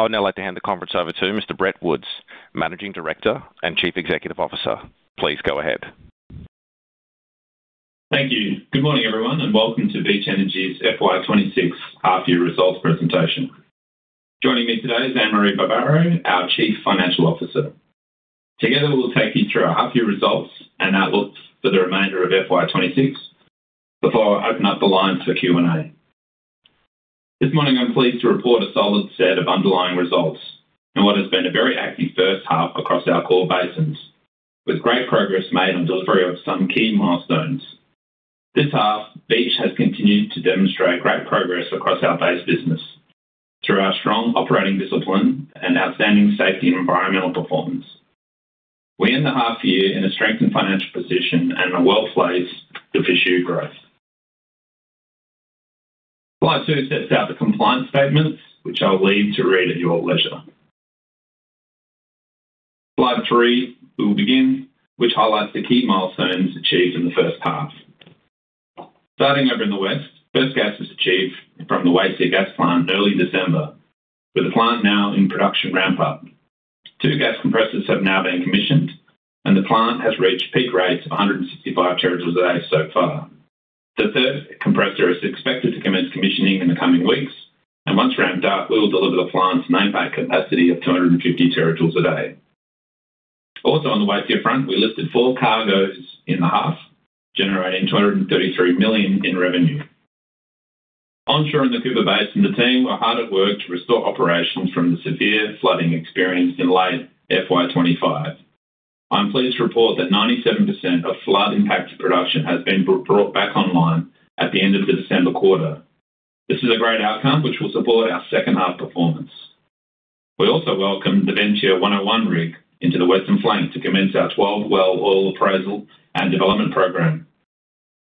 I would now like to hand the conference over to Mr. Brett Woods, Managing Director and Chief Executive Officer. Please go ahead. Thank you. Good morning, everyone, and welcome to Beach Energy's FY26 Half-year Results Presentation. Joining me today is Anne-Marie Barbaro, our Chief Financial Officer. Together we'll take you through our half-year results and outlook for the remainder of FY26 before I open up the lines for Q&A. This morning I'm pleased to report a solid set of underlying results in what has been a very active first half across our core basins, with great progress made on delivery of some key milestones. This half, Beach has continued to demonstrate great progress across our base business through our strong operating discipline and outstanding safety and environmental performance. We end the half-year in a strengthened financial position and in a well-placed to pursue growth. Slide two sets out the compliance statements, which I'll leave to read at your leisure. Slide three, we will begin, which highlights the key milestones achieved in the first half. Starting over in the west, first gas was achieved from the Waitsia Gas Plant in early December, with the plant now in production ramp-up. Two gas compressors have now been commissioned, and the plant has reached peak rates of 165 terajoules a day so far. The third compressor is expected to commence commissioning in the coming weeks, and once ramped up, we will deliver the plant's nameplate capacity of 250 terajoules a day. Also on the Waitsia front, we lifted four cargoes in the half, generating 233 million in revenue. Onshore in the Cooper Basin, some of the team were hard at work to restore operations from the severe flooding experienced in late FY25. I'm pleased to report that 97% of flood-impacted production has been brought back online at the end of the December quarter. This is a great outcome, which will support our second-half performance. We also welcomed the Ventia 101 rig into the Western Flank to commence our 12-well oil appraisal and development program.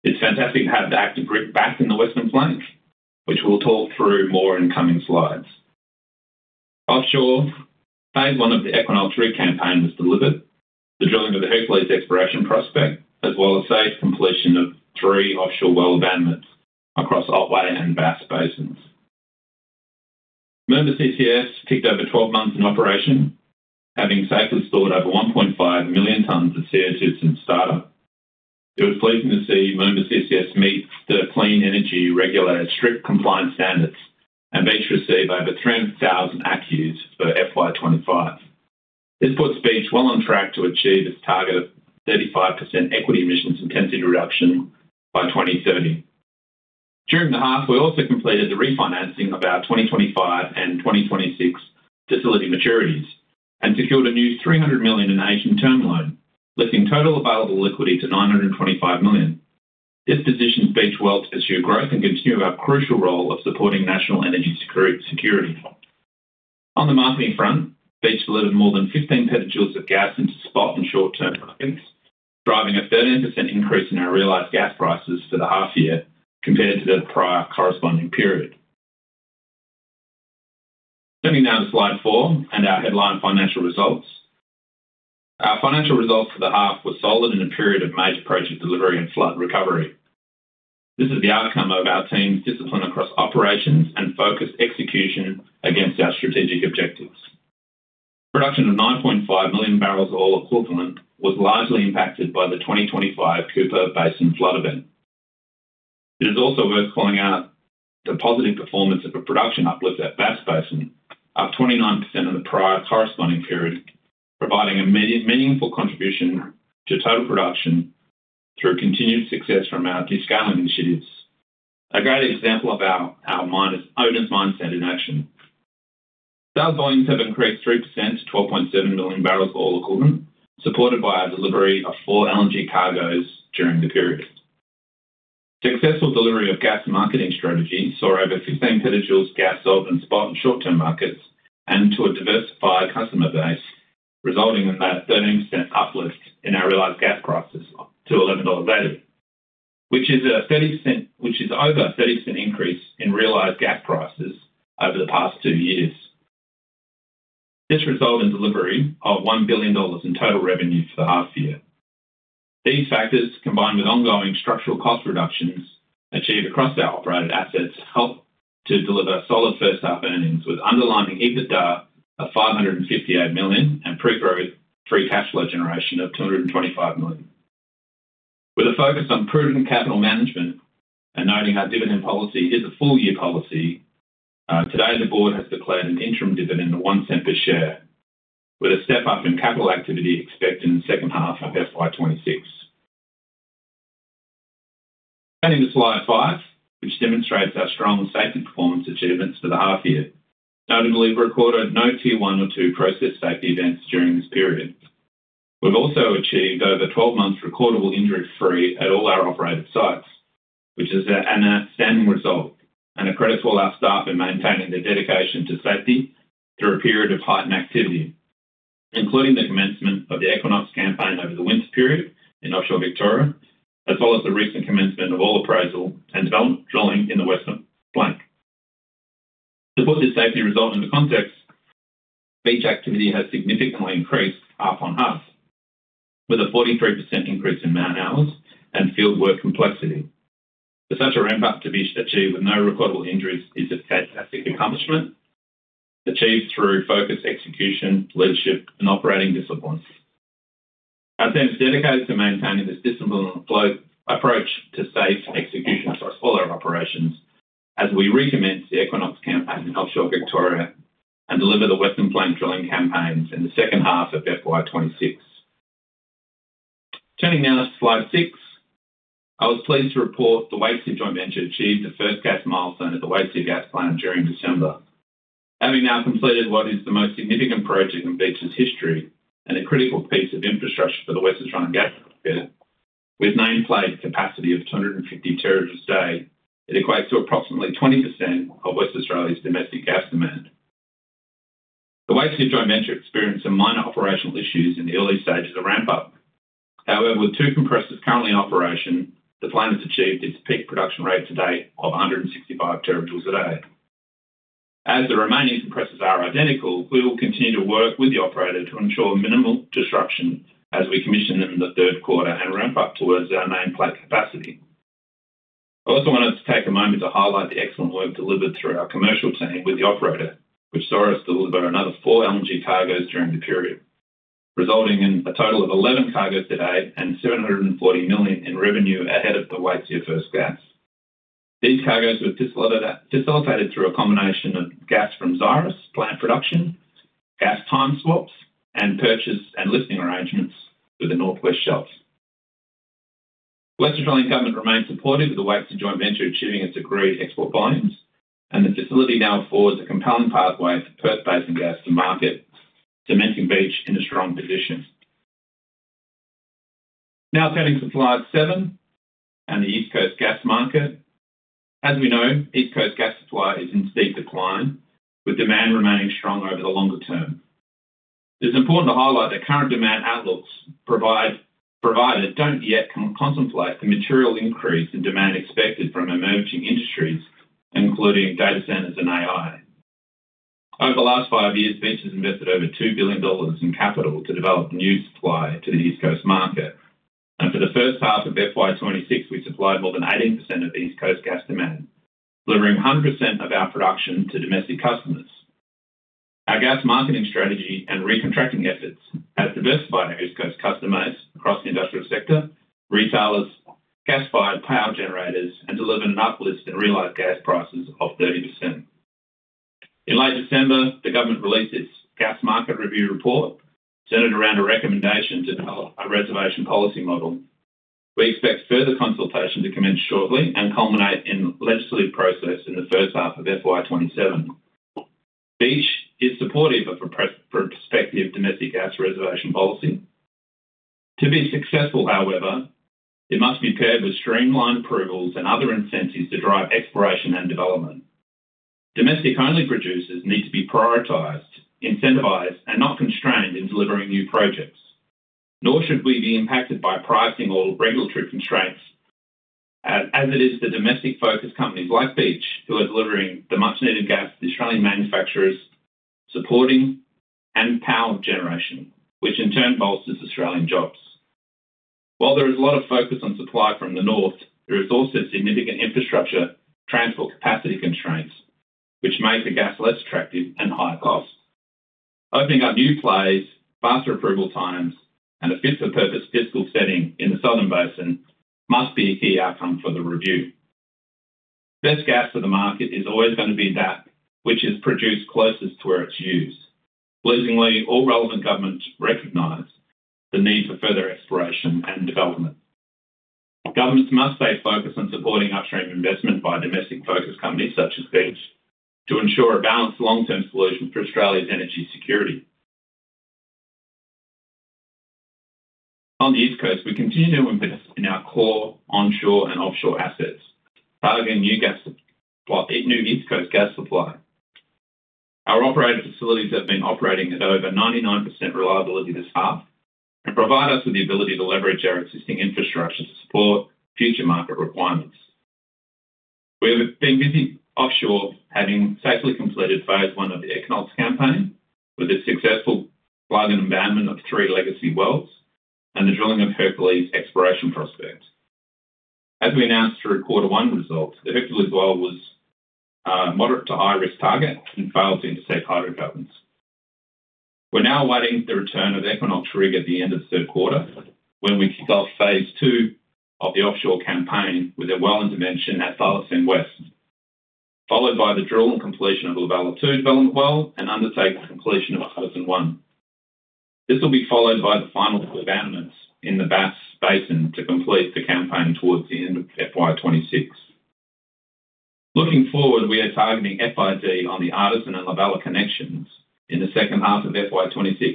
It's fantastic to have the active rig back in the Western Flank, which we'll talk through more in coming slides. Offshore, phase one of the Equinox rig campaign was delivered, the drilling of the Hercules exploration prospect, as well as safe completion of three offshore well abandonments across Otway and Bass Basins. Moomba CCS project over 12 months in operation, having safely stored over 1.5 million tons of CO2 since startup. It was pleasing to see Moomba CCS meet the Clean Energy Regulator's strict compliance standards, and Beach received over 300,000 ACCUs for FY25. This puts Beach well on track to achieve its target of 35% equity emissions intensity reduction by 2030. During the half, we also completed the refinancing of our 2025 and 2026 facility maturities and secured a new 300 million Asian term loan, lifting total available liquidity to 925 million. This positions Beach well to pursue growth and continue our crucial role of supporting national energy security. On the marketing front, Beach delivered more than 15 petajoules of gas into spot and short-term markets, driving a 13% increase in our realized gas prices for the half-year compared to the prior corresponding period. Turning now to slide four and our headline financial results. Our financial results for the half were solid in a period of major project delivery and flood recovery. This is the outcome of our team's discipline across operations and focused execution against our strategic objectives. Production of 9.5 million barrels of oil equivalent was largely impacted by the 2025 Cooper Basin flood event. It is also worth calling out the positive performance of a production uplift at Bass Basin, up 29% in the prior corresponding period, providing a meaningful contribution to total production through continued success from our descaling initiatives. A great example of our owners' mindset in action. Sales volumes have increased 3% to 12.7 million barrels oil equivalent, supported by our delivery of four LNG cargoes during the period. Successful delivery of gas marketing strategy saw over 15 petajoules gas sold in spot and short-term markets and to a diversified customer base, resulting in that 13% uplift in our realized gas prices to AUD 11 daily, which is over a 30% increase in realized gas prices over the past two years. This resulted in delivery of 1 billion dollars in total revenue for the half-year. These factors, combined with ongoing structural cost reductions achieved across our operated assets, help to deliver solid first-half earnings, with underlying EBITDA of 558 million and pre-growth free cash flow generation of 225 million. With a focus on prudent capital management and noting our dividend policy is a full-year policy, today the Board has declared an interim dividend of 0.01 per share, with a step-up in capital activity expected in the second half of FY26. Turning to slide five, which demonstrates our strong safety performance achievements for the half-year. Notably, we recorded no Tier one or two process safety events during this period. We've also achieved over 12 months recordable injury-free at all our operated sites, which is an outstanding result and a credit to all our staff in maintaining their dedication to safety through a period of heightened activity, including the commencement of the Equinox campaign over the winter period in offshore Victoria, as well as the recent commencement of oil appraisal and development drilling in the Western Flank. To put this safety result into context, Beach activity has significantly increased half on half, with a 43% increase in man-hours and fieldwork complexity. Such a ramp-up to Beach achieved with no recordable injuries is a fantastic accomplishment achieved through focused execution, leadership, and operating discipline. Our team is dedicated to maintaining this disciplined approach to safe execution across all our operations as we recommence the Equinox campaign in offshore Victoria and deliver the Western Flank drilling campaigns in the second half of FY26. Turning now to slide six, I was pleased to report the Waitsia Joint Venture achieved the first gas milestone at the Waitsia Gas Plant during December. Having now completed what is the most significant project in Beach's history and a critical piece of infrastructure for the Western Australian gas market, with nameplate capacity of 250 terajoules a day, it equates to approximately 20% of Western Australia's domestic gas demand. The Waitsia Joint Venture experienced some minor operational issues in the early stages of ramp-up. However, with two compressors currently in operation, the plant has achieved its peak production rate to date of 165 terajoules a day. As the remaining compressors are identical, we will continue to work with the operator to ensure minimal disruption as we commission them in the third quarter and ramp up towards our nameplate capacity. I also wanted to take a moment to highlight the excellent work delivered through our commercial team with the operator, which saw us deliver another four LNG cargoes during the period, resulting in a total of 11 cargoes today and 740 million in revenue ahead of the Waitsia first gas. These cargoes were facilitated through a combination of gas from Xyris Gas Plant production, gas time swaps, and purchase and lifting arrangements with the North West Shelf. The Western Australian Government remained supportive of the Waitsia Joint Venture achieving its agreed export volumes, and the facility now affords a compelling pathway for Perth Basin gas to market, cementing Beach in a strong position. Now turning to slide seven and the East Coast gas market. As we know, East Coast gas supply is in steep decline, with demand remaining strong over the longer term. It's important to highlight that current demand outlooks provided don't yet contemplate the material increase in demand expected from emerging industries, including data centers and AI. Over the last five years, Beach has invested over 2 billion dollars in capital to develop new supply to the East Coast market. For the first half of FY26, we supplied more than 18% of East Coast gas demand, delivering 100% of our production to domestic customers. Our gas marketing strategy and recontracting efforts have diversified our East Coast customers across the industrial sector, retailers, gas-fired power generators, and delivered an uplift in realized gas prices of 30%. In late December, the government released its gas market review report centered around a recommendation to develop a reservation policy model. We expect further consultation to commence shortly and culminate in legislative process in the first half of FY27. Beach is supportive of a prospective domestic gas reservation policy. To be successful, however, it must be paired with streamlined approvals and other incentives to drive exploration and development. Domestic-only producers need to be prioritized, incentivized, and not constrained in delivering new projects, nor should we be impacted by pricing or regulatory constraints as it is the domestic-focused companies like Beach who are delivering the much-needed gas to the Australian manufacturers, supporting and power generation, which in turn bolsters Australian jobs. While there is a lot of focus on supply from the north, there is also significant infrastructure transport capacity constraints, which make the gas less attractive and higher cost. Opening up new plays, faster approval times, and a fit-for-purpose fiscal setting in the southern basin must be a key outcome for the review. Best gas for the market is always going to be that which is produced closest to where it's used. Thankfully, all relevant governments recognize the need for further exploration and development. Governments must stay focused on supporting upstream investment by domestic-focused companies such as Beach to ensure a balanced long-term solution for Australia's energy security. On the East Coast, we continue to invest in our core onshore and offshore assets, targeting new East Coast gas supply. Our operated facilities have been operating at over 99% reliability this half and provide us with the ability to leverage our existing infrastructure to support future market requirements. We have been busy offshore, having safely completed phase I of the Equinox campaign with its successful flooding abandonment of three legacy wells and the drilling of Hercules exploration prospect. As we announced through quarter one results, the Hercules well was a moderate to high-risk target and failed to intercept hydrocarbons. We're now awaiting the return of Equinox rig at the end of the third quarter, when we kick off phase II of the offshore campaign with a well intervention at Thylacine West, followed by the drill and completion of La Bella 2 development well and undertake the completion of Artisan 1. This will be followed by the final two abandonments in the Bass Basin to complete the campaign towards the end of FY26. Looking forward, we are targeting FID on the Artisan and La Bella connections in the second half of FY26.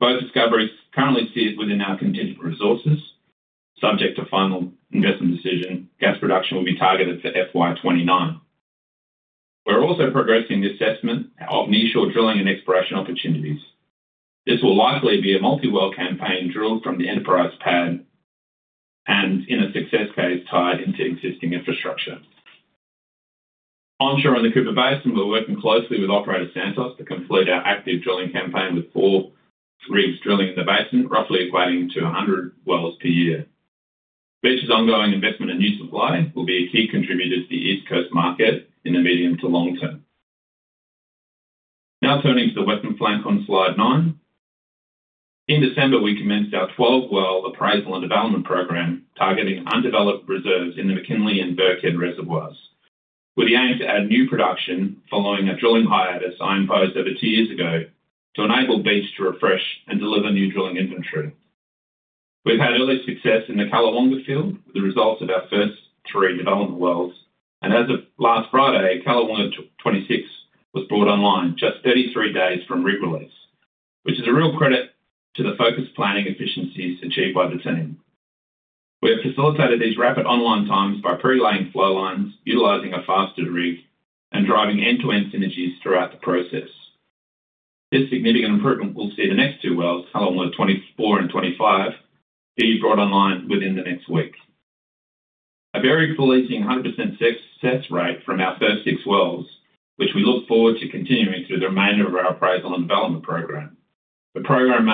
Both discoveries currently sit within our contingent resources, subject to final investment decision. Gas production will be targeted for FY29. We're also progressing the assessment of nearshore drilling and exploration opportunities. This will likely be a multiwell campaign drilled from the Enterprise pad and in a success case tied into existing infrastructure. Onshore in the Cooper Basin, we're working closely with Operator Santos to complete our active drilling campaign with four rigs drilling in the basin, roughly equating to 100 wells per year. Beach's ongoing investment in new supply will be a key contributor to the East Coast market in the medium to long term. Now turning to the Western Flank on slide nine. In December, we commenced our 12-well appraisal and development program targeting undeveloped reserves in the McKinley and Birkhead reservoirs, with the aim to add new production following a drilling hiatus I imposed over two years ago to enable Beach to refresh and deliver new drilling inventory. We've had early success in the Callawonga field with the results of our first three development wells. As of last Friday, Callawonga 26 was brought online just 33 days from rig release, which is a real credit to the focused planning efficiencies achieved by the team. We have facilitated these rapid online times by pre-laying flow lines, utilizing a faster rig, and driving end-to-end synergies throughout the process. This significant improvement will see the next two wells, Callawonga 24 and 25, be brought online within the next week. A very pleasing 100% success rate from our first six wells, which we look forward to continuing through the remainder of our appraisal and development program. The program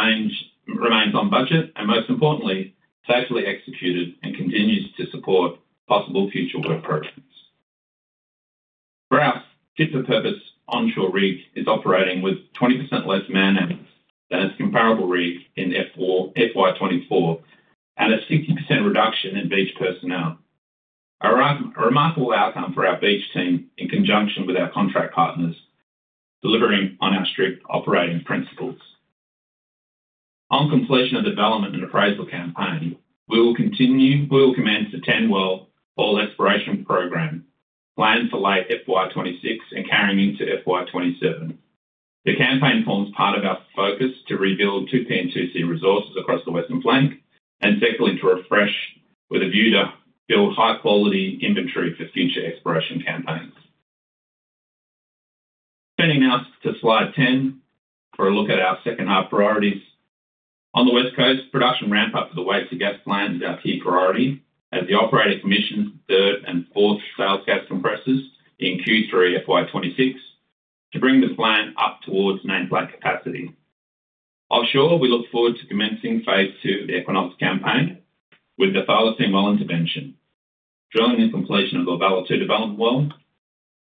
remains on budget and, most importantly, safely executed and continues to support possible future work programs. Ventia's fit-for-purpose onshore rig is operating with 20% less manning than its comparable rig in FY24 and a 60% reduction in Beach personnel. A remarkable outcome for our Beach team in conjunction with our contract partners, delivering on our strict operating principles. On completion of development and appraisal campaign, we will commence the 10-well oil exploration program planned for late FY26 and carrying into FY27. The campaign forms part of our focus to rebuild 2P and 2C resources across the Western Flank and secondly to refresh with a view to build high-quality inventory for future exploration campaigns. Turning now to slide 10 for a look at our second-half priorities. On the West Coast, production ramp-up for the Waitsia Gas Plant is our key priority as the operator commissions the third and fourth sales gas compressors in Q3 FY26 to bring the plant up towards nameplate capacity. Offshore, we look forward to commencing phase two of the Equinox campaign with the Thylacine well intervention, drilling the completion of the La Bella 2 development well,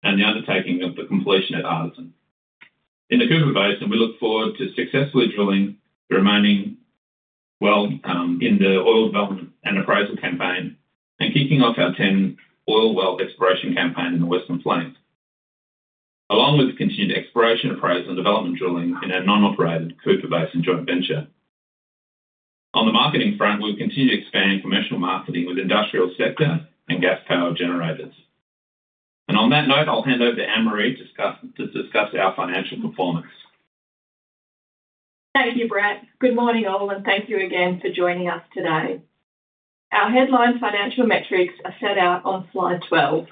and the undertaking of the completion at Artisan. In the Cooper Basin, we look forward to successfully drilling the remaining well in the oil development and appraisal campaign and kicking off our 10-oil well exploration campaign in the Western Flank, along with continued exploration, appraisal, and development drilling in our non-operated Cooper Basin Joint Venture. On the marketing front, we will continue to expand commercial marketing with industrial sector and gas power generators. And on that note, I'll hand over to Anne-Marie to discuss our financial performance. Thank you, Brett. Good morning, all, and thank you again for joining us today. Our headline financial metrics are set out on slide 12.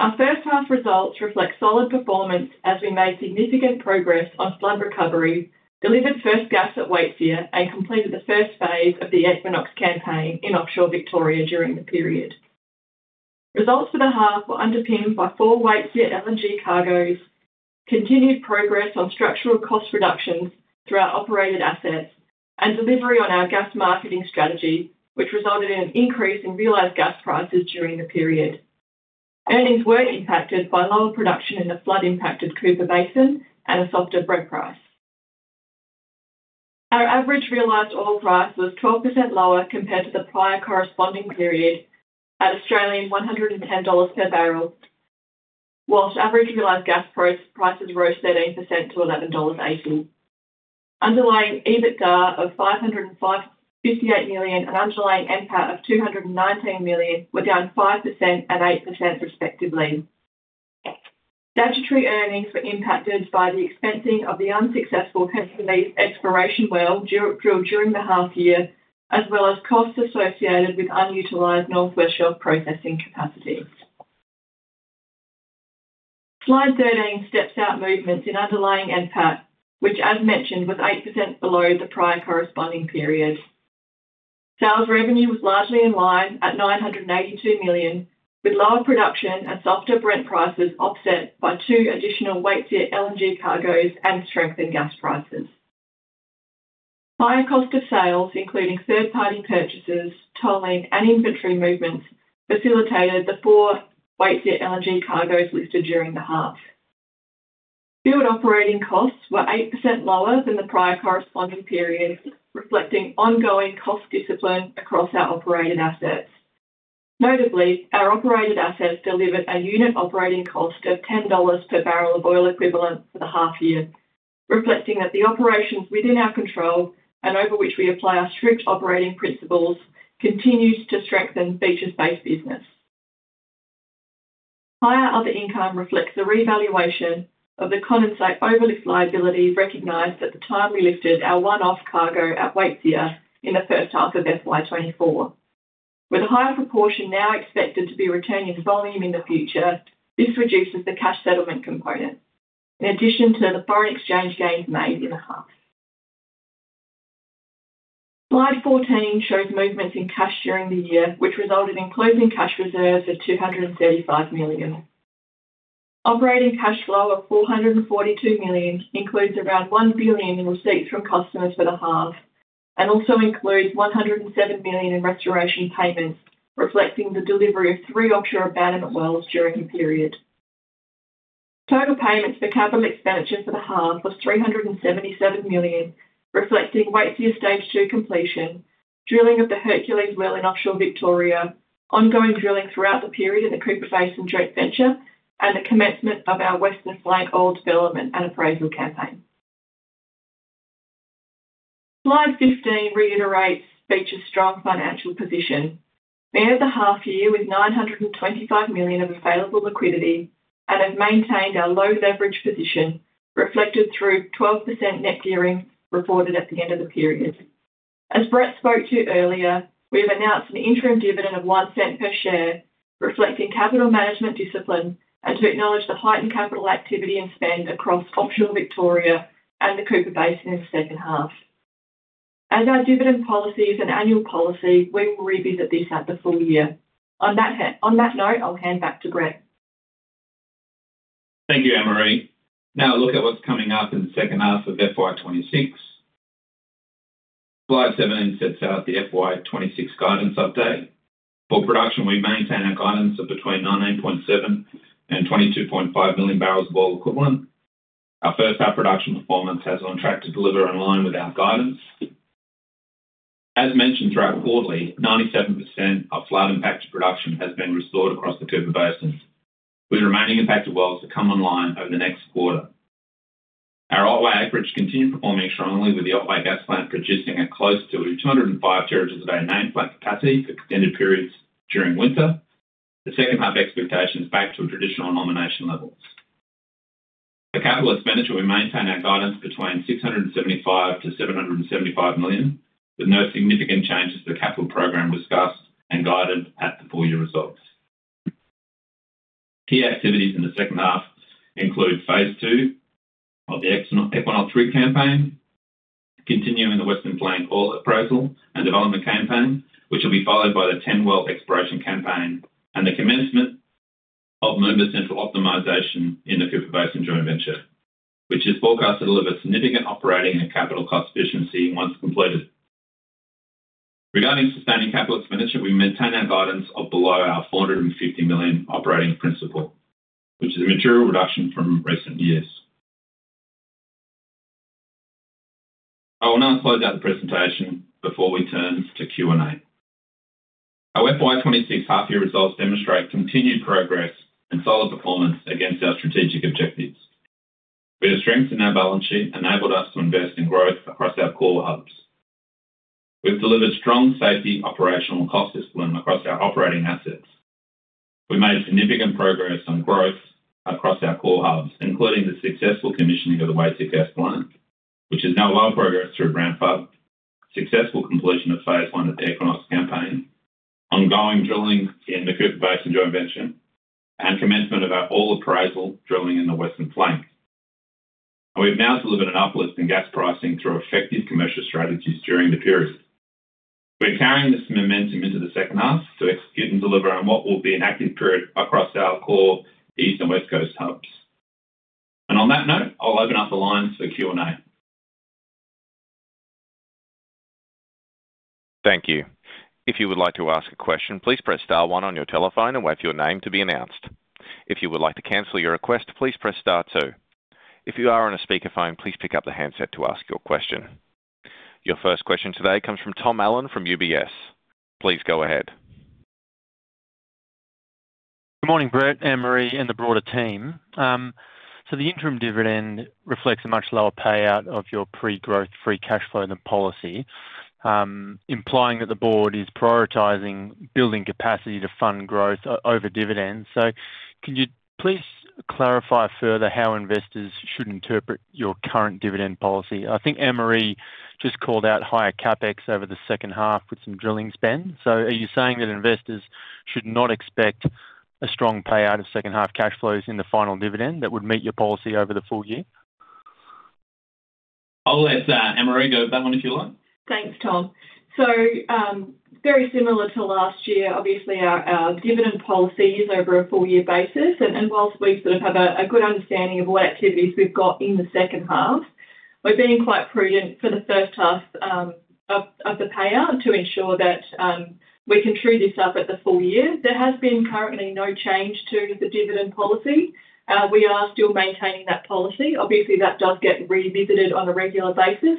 Our first-half results reflect solid performance as we made significant progress on flood recovery, delivered first gas at Waitsia, and completed the first phase of the Equinox campaign in offshore Victoria during the period. Results for the half were underpinned by four Waitsia LNG cargoes, continued progress on structural cost reductions throughout operated assets, and delivery on our gas marketing strategy, which resulted in an increase in realized gas prices during the period. Earnings were impacted by lower production in the flood-impacted Cooper Basin and a softer Brent price. Our average realized oil price was 12% lower compared to the prior corresponding period at 110 Australian dollars per barrel, while average realized gas prices rose 13% to AUD 11.80. Underlying EBITDA of AUD 558 million and underlying NPAT of AUD 219 million were down 5% and 8%, respectively. Statutory earnings were impacted by the expensing of the unsuccessful Hercules exploration well drilled during the half year, as well as costs associated with unutilized North West Shelf processing capacity. Slide 13 sets out movements in underlying NPAT, which, as mentioned, was 8% below the prior corresponding period. Sales revenue was largely in line at 982 million, with lower production and softer Brent prices offset by two additional Waitsia LNG cargoes and strengthened gas prices. Higher cost of sales, including third-party purchases, tolling, and inventory movements, facilitated the four Waitsia LNG cargoes listed during the half. Field operating costs were 8% lower than the prior corresponding period, reflecting ongoing cost discipline across our operated assets. Notably, our operated assets delivered a unit operating cost of 10 dollars per barrel of oil equivalent for the half year, reflecting that the operations within our control and over which we apply our strict operating principles continue to strengthen Beach's base business. Higher other income reflects the revaluation of the condensate overlift liabilities recognized at the time we lifted our one-off cargo at Waitsia in the first half of FY2024. With a higher proportion now expected to be returning volume in the future, this reduces the cash settlement component, in addition to the foreign exchange gains made in the half. Slide 14 shows movements in cash during the year, which resulted in closing cash reserves at 235 million. Operating cash flow of 442 million includes around 1 billion in receipts from customers for the half and also includes 107 million in restoration payments, reflecting the delivery of three offshore abandonment wells during the period. Total payments for capital expenditure for the half was 377 million, reflecting Waitsia Stage 2 completion, drilling of the Hercules well in offshore Victoria, ongoing drilling throughout the period in the Cooper Basin Joint Venture, and the commencement of our Western Flank oil development and appraisal campaign. Slide 15 reiterates Beach's strong financial position. We ended the half year with 925 million of available liquidity and have maintained our low leverage position, reflected through 12% net gearing reported at the end of the period. As Brett spoke to earlier, we have announced an interim dividend of 0.01 per share, reflecting capital management discipline, and to acknowledge the heightened capital activity and spend across offshore Victoria and the Cooper Basin in the second half. As our dividend policy is an annual policy, we will revisit this at the full year. On that note, I'll hand back to Brett. Thank you, Anne-Marie. Now a look at what's coming up in the second half of FY26. Slide 17 sets out the FY26 guidance update. For production, we maintain our guidance of between 19.7 and 22.5 million barrels of oil equivalent. Our first-half production performance has on track to deliver in line with our guidance. As mentioned throughout quarterly, 97% of flood-impacted production has been restored across the Cooper Basin, with remaining impacted wells to come online over the next quarter. Our Otway acreage continued performing strongly, with the Otway Gas Plant producing at close to 205 terajoules a day nameplate capacity for extended periods during winter. The second-half expectations back to traditional nomination levels. For capital expenditure, we maintain our guidance between 675 million to 775 million, with no significant changes to the capital program discussed and guided at the full year results. Key activities in the second half include phase two of the Equinox rig campaign, continuing the Western Flank oil appraisal and development campaign, which will be followed by the 10-well exploration campaign, and the commencement of Moomba Central Optimisation in the Cooper Basin Joint Venture, which is forecast to deliver significant operating and capital cost efficiency once completed. Regarding sustaining capital expenditure, we maintain our guidance of below our 450 million operating principle, which is a material reduction from recent years. I will now close out the presentation before we turn to Q&A. Our FY26 half-year results demonstrate continued progress and solid performance against our strategic objectives. We have strengthened our balance sheet, enabled us to invest in growth across our core hubs. We've delivered strong safety operational cost discipline across our operating assets. We've made significant progress on growth across our core hubs, including the successful commissioning of the Waitsia Gas Plant, which is now well progressed through ramp-up, successful completion of phase one of the Equinox campaign, ongoing drilling in the Cooper Basin Joint Venture, and commencement of our oil appraisal drilling in the Western Flank. We've now delivered an uplift in gas pricing through effective commercial strategies during the period. We're carrying this momentum into the second half to execute and deliver on what will be an active period across our core East Coast and West Coast hubs. And on that note, I'll open up the lines for Q&A. Thank you. If you would like to ask a question, please press star one on your telephone and wait for your name to be announced. If you would like to cancel your request, please press star two. If you are on a speakerphone, please pick up the handset to ask your question. Your first question today comes from Tom Allen from UBS. Please go ahead. Good morning, Brett, Anne-Marie, and the broader team. So the interim dividend reflects a much lower payout of your pre-growth free cash flow in the policy, implying that the board is prioritizing building capacity to fund growth over dividends. So can you please clarify further how investors should interpret your current dividend policy? I think Anne-Marie just called out higher CapEx over the second half with some drilling spend. So are you saying that investors should not expect a strong payout of second-half cash flows in the final dividend that would meet your policy over the full year? I'll let Anne-Marie go with that one if you like. Thanks, Tom. So very similar to last year, obviously, our dividend policy is over a full-year basis. While we sort of have a good understanding of what activities we've got in the second half, we're being quite prudent for the first half of the payout to ensure that we can true this up at the full year. There has been currently no change to the dividend policy. We are still maintaining that policy. Obviously, that does get revisited on a regular basis.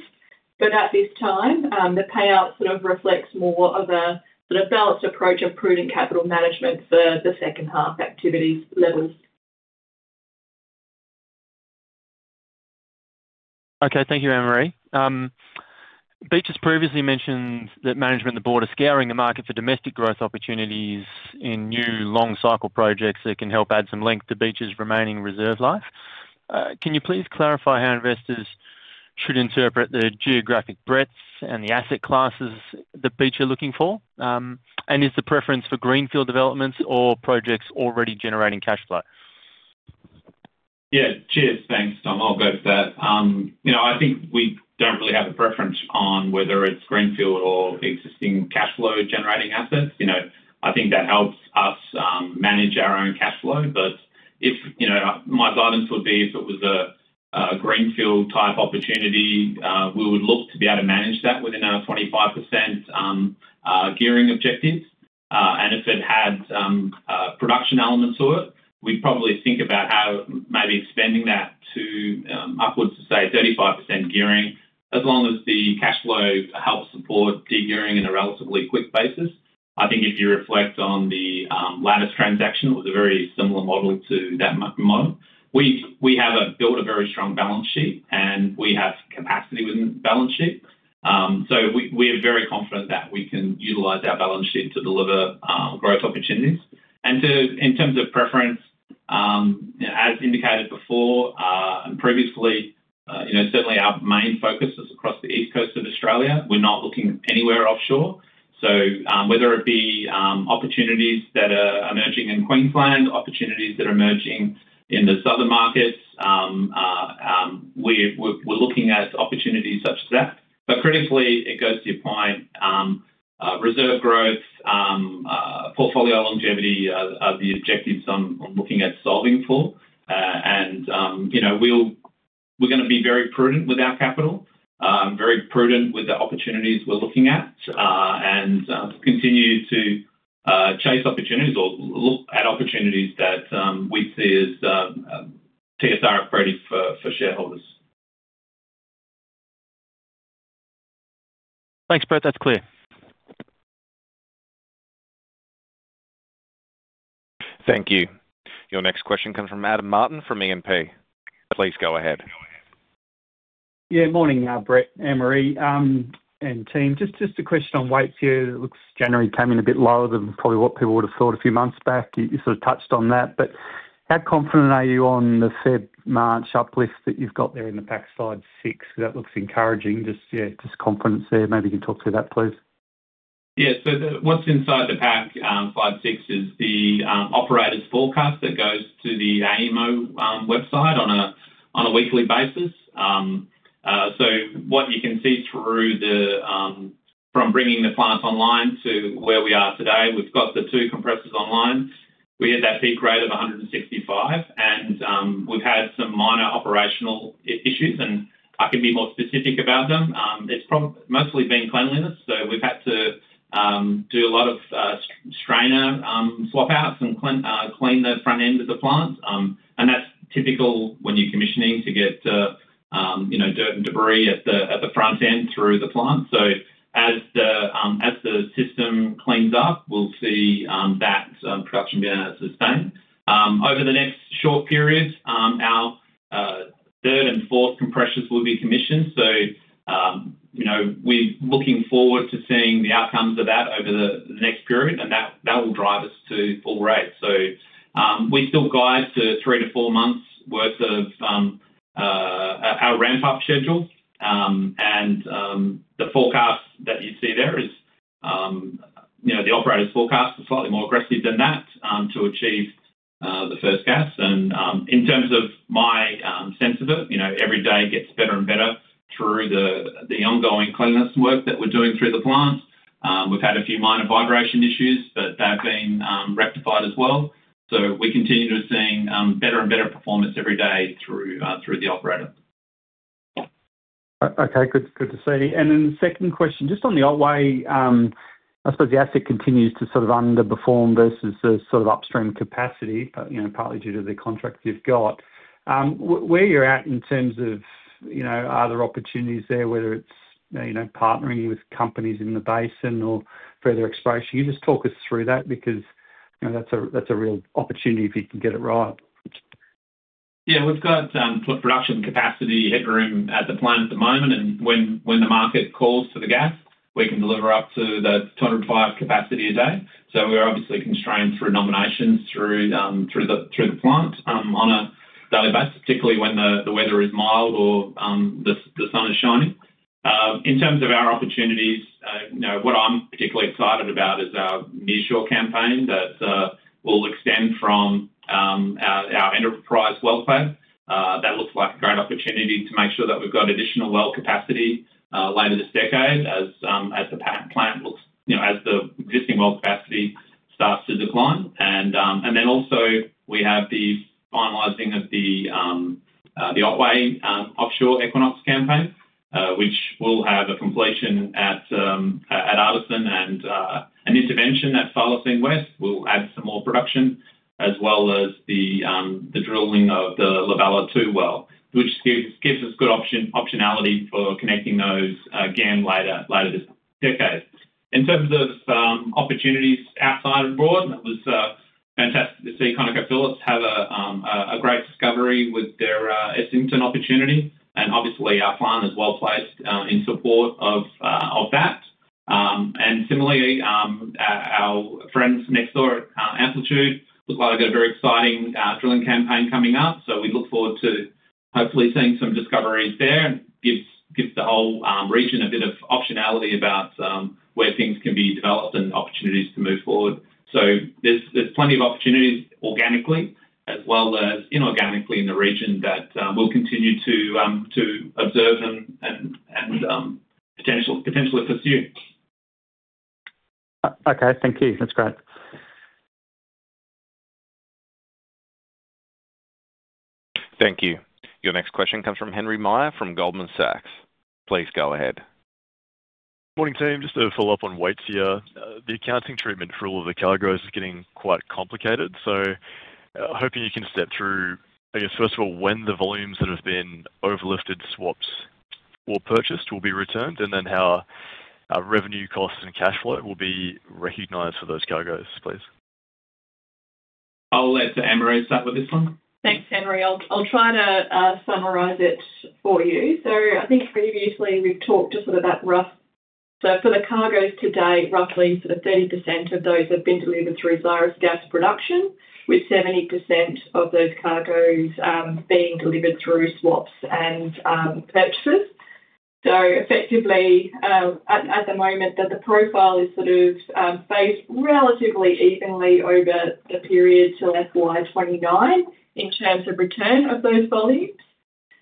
But at this time, the payout sort of reflects more of a sort of balanced approach of prudent capital management for the second-half activities levels. Okay. Thank you, Anne-Marie. Beach has previously mentioned that management and the board are scouring the market for domestic growth opportunities in new long-cycle projects that can help add some length to Beach's remaining reserve life. Can you please clarify how investors should interpret the geographic breadths and the asset classes that Beach are looking for? And is the preference for greenfield developments or projects already generating cash flow? Yeah. Cheers. Thanks, Tom. I'll go for that. I think we don't really have a preference on whether it's greenfield or existing cash flow-generating assets. I think that helps us manage our own cash flow. But my guidance would be if it was a greenfield-type opportunity, we would look to be able to manage that within our 25% gearing objectives. And if it had production elements to it, we'd probably think about maybe expanding that upwards to, say, 35% gearing, as long as the cash flow helps support degearing in a relatively quick basis. I think if you reflect on the lattice transaction, it was a very similar model to that model. We have built a very strong balance sheet, and we have capacity within the balance sheet. So we are very confident that we can utilize our balance sheet to deliver growth opportunities. In terms of preference, as indicated before and previously, certainly our main focus is across the East Coast of Australia. We're not looking anywhere offshore. So whether it be opportunities that are emerging in Queensland, opportunities that are emerging in the southern markets, we're looking at opportunities such as that. But critically, it goes to your point, reserve growth, portfolio longevity are the objectives I'm looking at solving for. And we're going to be very prudent with our capital, very prudent with the opportunities we're looking at, and continue to chase opportunities or look at opportunities that we see as TSR appropriate for shareholders. Thanks, Brett. That's clear. Thank you. Your next question comes from Adam Martin from E&P. Please go ahead. Yeah. Morning, Brett, Anne-Marie, and team. Just a question on Waitsia. It looks January came in a bit lower than probably what people would have thought a few months back. You sort of touched on that. But how confident are you on the Feb March uplift that you've got there in the pack side six? Because that looks encouraging. Just confidence there. Maybe you can talk through that, please. Yeah. So what's inside the pack side six is the operator's forecast that goes to the AEMO website on a weekly basis. So what you can see through from bringing the plant online to where we are today, we've got the two compressors online. We hit that peak rate of 165, and we've had some minor operational issues. And I can be more specific about them. It's mostly been cleanliness. So we've had to do a lot of strainer swapouts and clean the front end of the plant. And that's typical when you're commissioning to get dirt and debris at the front end through the plant. So as the system cleans up, we'll see that production being able to sustain. Over the next short period, our third and fourth compressors will be commissioned. We're looking forward to seeing the outcomes of that over the next period, and that will drive us to full rate. We still guide to three to four months' worth of our ramp-up schedule. The forecast that you see there is the operator's forecast is slightly more aggressive than that to achieve the first gas. In terms of my sense of it, every day gets better and better through the ongoing cleanliness work that we're doing through the plant. We've had a few minor vibration issues, but they've been rectified as well. We continue to be seeing better and better performance every day through the operator. Okay. Good to see. And then the second question, just on the Otway, I suppose the asset continues to sort of underperform versus the sort of upstream capacity, partly due to the contract you've got. Where you're at in terms of are there opportunities there, whether it's partnering with companies in the basin or further exploration? Can you just talk us through that? Because that's a real opportunity if you can get it right. Yeah. We've got production capacity headroom at the plant at the moment. And when the market calls for the gas, we can deliver up to the 205 capacity a day. So we're obviously constrained through nominations through the plant on a daily basis, particularly when the weather is mild or the sun is shining. In terms of our opportunities, what I'm particularly excited about is our nearshore campaign that will extend from our Enterprise well plan. That looks like a great opportunity to make sure that we've got additional well capacity later this decade as the plant looks as the existing well capacity starts to decline. And then also, we have the finalizing of the Otway offshore Equinox campaign, which will have a completion at Artisan and an intervention at Thylacine West. We'll add some more production as well as the drilling of the La Bella 2 well, which gives us good optionality for connecting those again later this decade. In terms of opportunities outside and abroad, it was fantastic to see ConocoPhillips have a great discovery with their Enterprise opportunity. Obviously, our plan is well placed in support of that. Similarly, our friends next door at Amplitude look like they've got a very exciting drilling campaign coming up. We look forward to hopefully seeing some discoveries there. It gives the whole region a bit of optionality about where things can be developed and opportunities to move forward. There's plenty of opportunities organically as well as inorganically in the region that we'll continue to observe and potentially pursue. Okay. Thank you. That's great. Thank you. Your next question comes from Henry Meyer from Goldman Sachs. Please go ahead. Morning, team. Just to follow up on Waitsia, the accounting treatment for all of the cargoes is getting quite complicated. So hoping you can step through, I guess, first of all, when the volumes that have been overlifted, swapped, or purchased will be returned, and then how revenue costs and cash flow will be recognized for those cargoes, please. I'll let Anne-Marie start with this one. Thanks, Henry. I'll try to summarize it for you. So I think previously, we've talked to sort of that rough. So for the cargoes today, roughly sort of 30% of those have been delivered through Xyris Gas production, with 70% of those cargoes being delivered through swaps and purchases. So effectively, at the moment, the profile is sort of phased relatively evenly over the period till FY29 in terms of return of those volumes.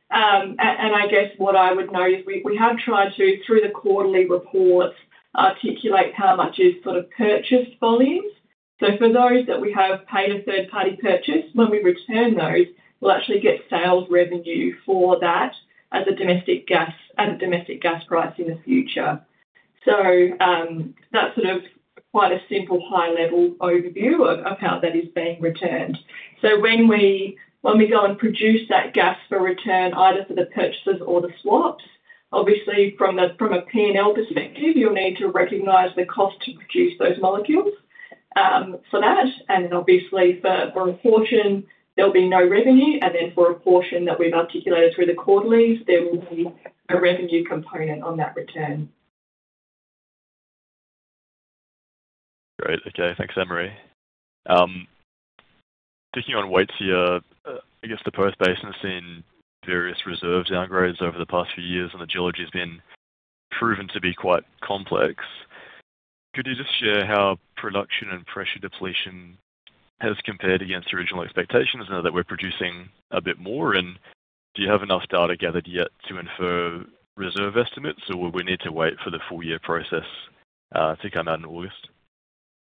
And I guess what I would note is we have tried to, through the quarterly reports, articulate how much is sort of purchased volumes. So for those that we have paid a third-party purchase, when we return those, we'll actually get sales revenue for that as a domestic gas price in the future. So that's sort of quite a simple high-level overview of how that is being returned. When we go and produce that gas for return, either for the purchases or the swaps, obviously, from a P&L perspective, you'll need to recognize the cost to produce those molecules for that. Then obviously, for a portion, there'll be no revenue. Then for a portion that we've articulated through the quarterlies, there will be a revenue component on that return. Great. Okay. Thanks, Anne-Marie. Thinking on Waitsia, I guess the Perth Basin has seen various reserve downgrades over the past few years, and the geology has been proven to be quite complex. Could you just share how production and pressure depletion has compared against original expectations now that we're producing a bit more? And do you have enough data gathered yet to infer reserve estimates, or would we need to wait for the full-year results to come out in August?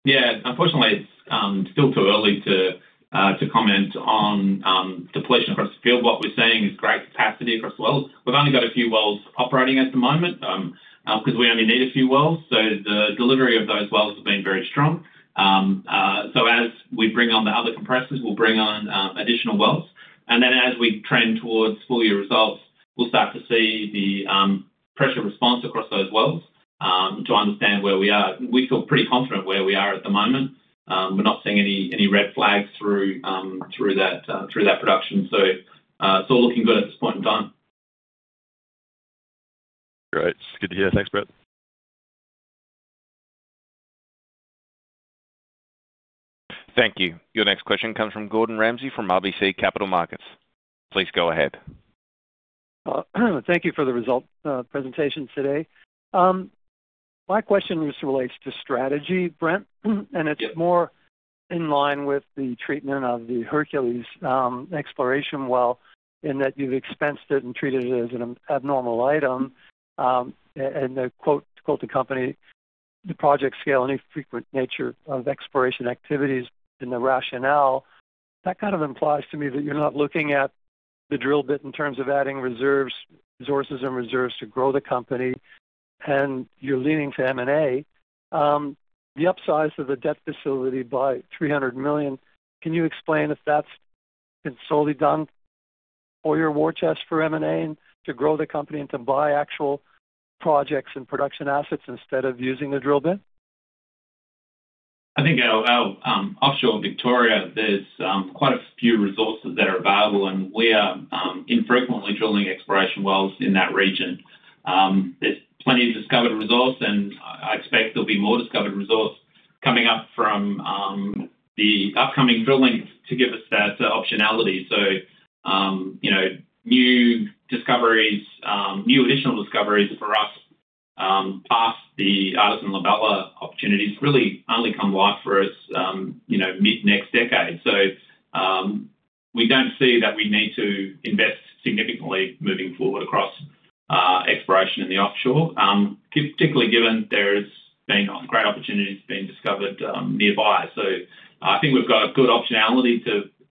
Yeah. Unfortunately, it's still too early to comment on depletion across the field. What we're seeing is great capacity across the wells. We've only got a few wells operating at the moment because we only need a few wells. So the delivery of those wells has been very strong. So as we bring on the other compressors, we'll bring on additional wells. And then as we trend towards full-year results, we'll start to see the pressure response across those wells to understand where we are. We feel pretty confident where we are at the moment. We're not seeing any red flags through that production. So it's all looking good at this point in time. Great. Good to hear. Thanks, Brett. Thank you. Your next question comes from Gordon Ramsay from RBC Capital Markets. Please go ahead. Thank you for the result presentation today. My question just relates to strategy, Brett, and it's more in line with the treatment of the Hercules exploration well in that you've expensed it and treated it as an abnormal item. And to quote the company, "The project scale and infrequent nature of exploration activities and the rationale," that kind of implies to me that you're not looking at the drill bit in terms of adding resources and reserves to grow the company, and you're leaning to M&A. The upsize of the debt facility by 300 million, can you explain if that's been solely done for your war chest for M&A and to grow the company and to buy actual projects and production assets instead of using the drill bit? I think offshore in Victoria, there's quite a few resources that are available, and we are infrequently drilling exploration wells in that region. There's plenty of discovered resource, and I expect there'll be more discovered resource coming up from the upcoming drilling to give us that optionality. So new additional discoveries for us past the Artisan-La Bella opportunities really only come life for us mid-next decade. So we don't see that we need to invest significantly moving forward across exploration in the offshore, particularly given there's been great opportunities being discovered nearby. So I think we've got good optionality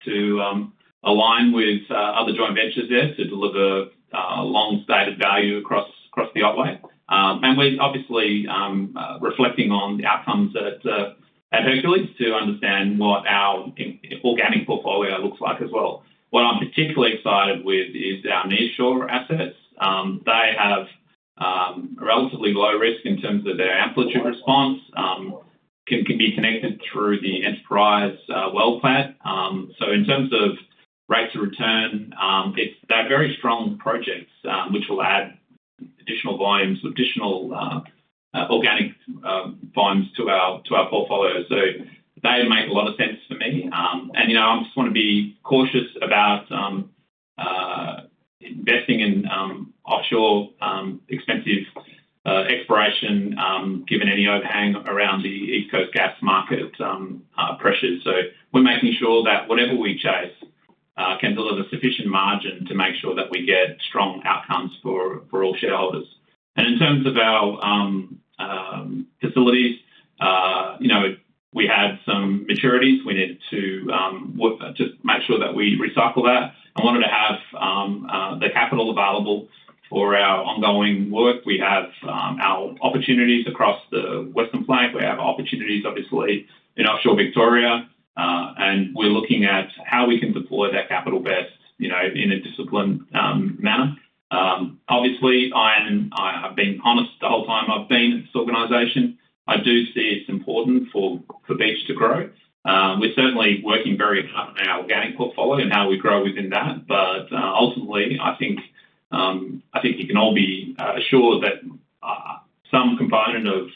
to align with other joint ventures there to deliver long-stated value across the Otway. And we're obviously reflecting on the outcomes at Hercules to understand what our organic portfolio looks like as well. What I'm particularly excited with is our nearshore assets. They have a relatively low risk in terms of their Amplitude response, can be connected through the Enterprise well plan. So in terms of rates of return, it's that very strong projects which will add additional volumes or additional organic volumes to our portfolio. So they make a lot of sense for me. And I just want to be cautious about investing in offshore expensive exploration given any overhang around the East Coast gas market pressures. So we're making sure that whatever we chase can deliver sufficient margin to make sure that we get strong outcomes for all shareholders. And in terms of our facilities, we had some maturities we needed to just make sure that we recycle that and wanted to have the capital available for our ongoing work. We have our opportunities across the Western Flank. We have opportunities, obviously, in offshore Victoria. We're looking at how we can deploy that capital best in a disciplined manner. Obviously, I have been honest the whole time I've been at this organization. I do see it's important for Beach to grow. We're certainly working very hard on our organic portfolio and how we grow within that. But ultimately, I think you can all be assured that some component of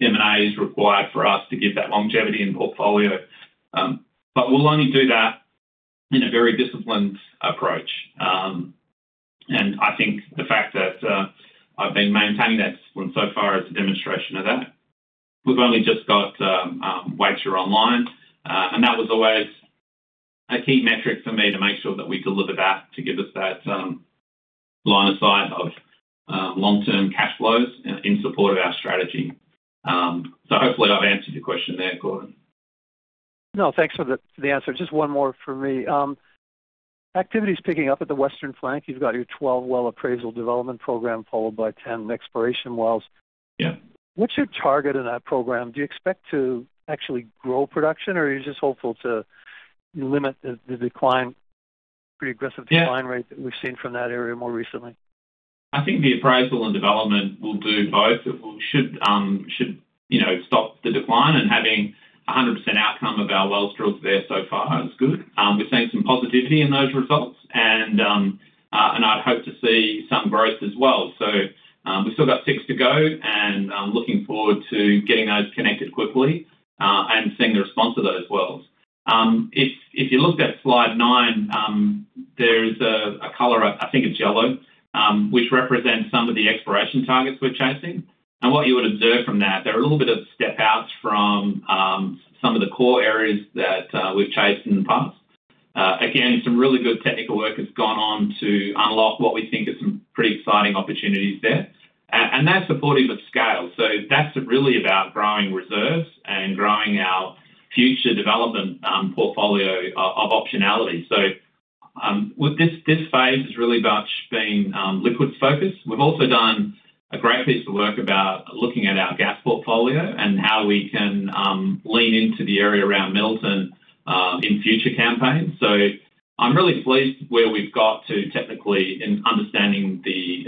M&A is required for us to give that longevity in portfolio. But we'll only do that in a very disciplined approach. And I think the fact that I've been maintaining that discipline so far is a demonstration of that. We've only just got Waitsia online, and that was always a key metric for me to make sure that we deliver that to give us that line of sight of long-term cash flows in support of our strategy. So hopefully, I've answered your question there, Gordon. No, thanks for the answer. Just one more for me. Activities picking up at the Western Flank. You've got your 12-well appraisal development program followed by 10 exploration wells. What's your target in that program? Do you expect to actually grow production, or are you just hopeful to limit the pretty aggressive decline rate that we've seen from that area more recently? I think the appraisal and development will do both. It should stop the decline, and having 100% outcome of our wells drilled there so far is good. We're seeing some positivity in those results, and I'd hope to see some growth as well. So we've still got 6 to go, and I'm looking forward to getting those connected quickly and seeing the response of those wells. If you looked at slide 9, there is a color, I think it's yellow, which represents some of the exploration targets we're chasing. And what you would observe from that, there are a little bit of step-outs from some of the core areas that we've chased in the past. Again, some really good technical work has gone on to unlock what we think are some pretty exciting opportunities there. And that's supportive of scale. So that's really about growing reserves and growing our future development portfolio of optionality. So this phase has really much been liquids-focused. We've also done a great piece of work about looking at our gas portfolio and how we can lean into the area around Middleton in future campaigns. So I'm really pleased where we've got to technically in understanding the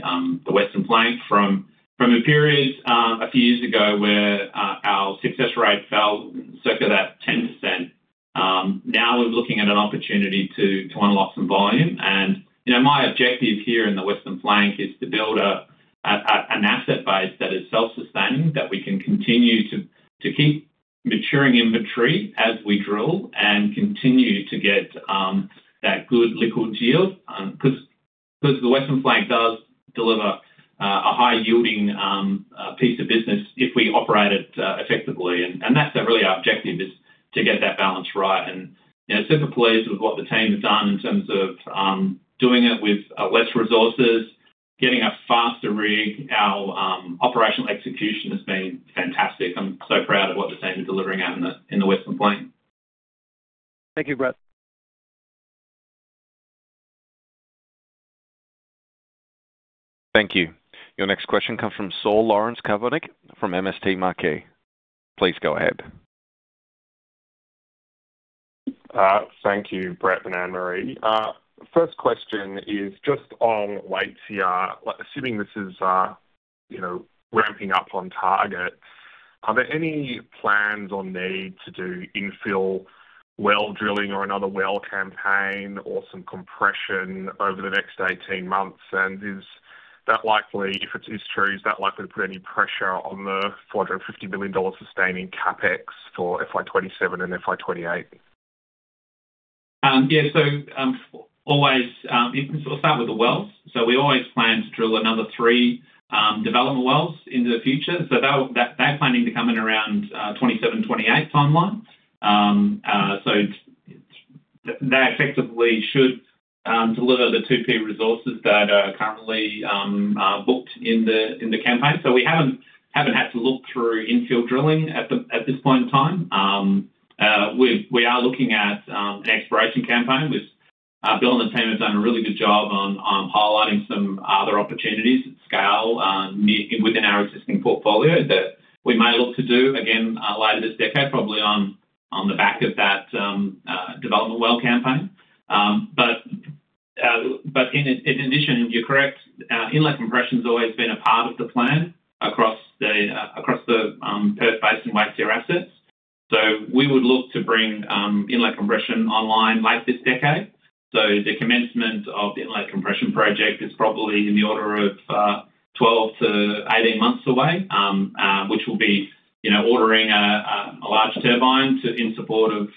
Western Flank from a period a few years ago where our success rate fell circa that 10%. Now we're looking at an opportunity to unlock some volume. And my objective here in the Western Flank is to build an asset base that is self-sustaining, that we can continue to keep maturing inventory as we drill and continue to get that good liquid yield because the Western Flank does deliver a high-yielding piece of business if we operate it effectively. That's really our objective, is to get that balance right. Super pleased with what the team has done in terms of doing it with less resources, getting a faster rig. Our operational execution has been fantastic. I'm so proud of what the team is delivering out in the Western Flank. Thank you, Brett. Thank you. Your next question comes from Saul Kavonic from MST Marquee. Please go ahead. Thank you, Brett and Anne-Marie. First question is just on Waitsia. Assuming this is ramping up on target, are there any plans or need to do infill well drilling or another well campaign or some compression over the next 18 months? And if it is true, is that likely to put any pressure on the 450 million dollars sustaining CapEx for FY27 and FY28? Yeah. So we'll start with the wells. So we always plan to drill another 3 development wells into the future. So they're planning to come in around 2027, 2028 timeline. So they effectively should deliver the 2P resources that are currently booked in the campaign. So we haven't had to look through infill drilling at this point in time. We are looking at an exploration campaign. Bill and the team have done a really good job on highlighting some other opportunities at scale within our existing portfolio that we may look to do, again, later this decade, probably on the back of that development well campaign. But in addition, you're correct. Inlet compression's always been a part of the plan across the Perth Basin Waitsia assets. So we would look to bring inlet compression online late this decade. So the commencement of the inlet compression project is probably in the order of 12 to 18 months away, which will be ordering a large turbine in support of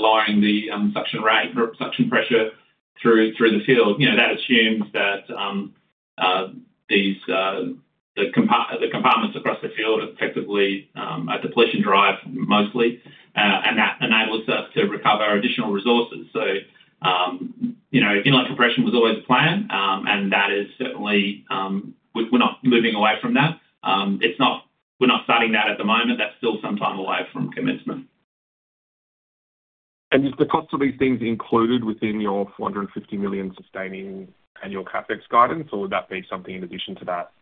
lowering the suction pressure through the field. That assumes that the compartments across the field effectively are depletion-drive mostly, and that enables us to recover additional resources. So inlet compression was always a plan, and we're not moving away from that. We're not starting that at the moment. That's still some time away from commencement. Is the cost of these things included within your 450 million sustaining annual CapEx guidance, or would that be something in addition to that?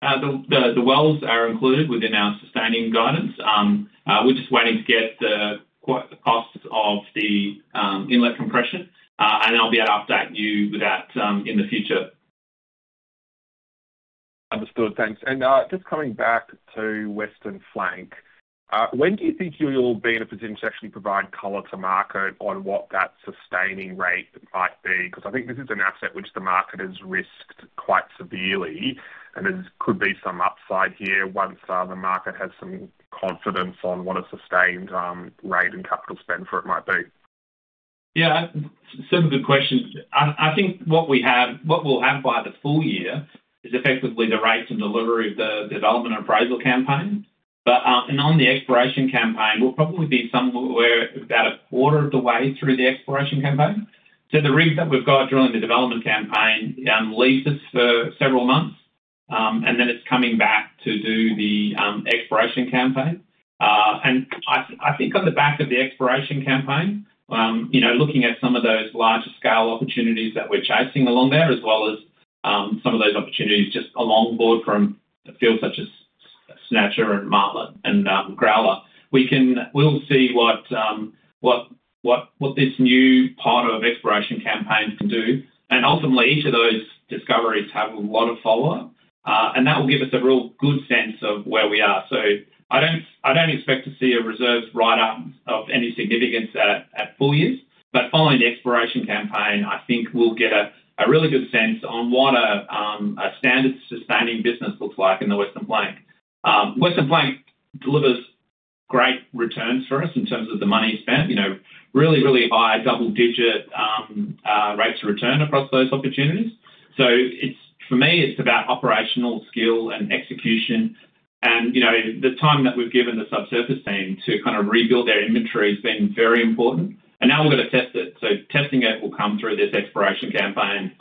The wells are included within our sustaining guidance. We're just waiting to get the costs of the inlet compression, and I'll be able to update you with that in the future. Understood. Thanks. And just coming back to Western Flank, when do you think you'll be in a position to actually provide color to market on what that sustaining rate might be? Because I think this is an asset which the market has risked quite severely, and there could be some upside here once the market has some confidence on what a sustained rate and capital spend for it might be. Yeah. Super good question. I think what we'll have by the full year is effectively the rates and delivery of the development and appraisal campaign. And on the exploration campaign, we'll probably be somewhere about a quarter of the way through the exploration campaign. So the rig that we've got during the development campaign leaves us for several months, and then it's coming back to do the exploration campaign. And I think on the back of the exploration campaign, looking at some of those larger-scale opportunities that we're chasing along there, as well as some of those opportunities just alongside a field such as Snatcher and Martlet and Growler, we'll see what this new part of exploration campaigns can do. And ultimately, each of those discoveries have a lot of follow-up, and that will give us a real good sense of where we are. So I don't expect to see a reserve write-up of any significance at full years. But following the exploration campaign, I think we'll get a really good sense on what a standard sustaining business looks like in the Western Flank. Western Flank delivers great returns for us in terms of the money spent, really, really high double-digit rates of return across those opportunities. So for me, it's about operational skill and execution. And the time that we've given the subsurface team to kind of rebuild their inventory has been very important. And now we've got to test it. So testing it will come through this exploration campaign.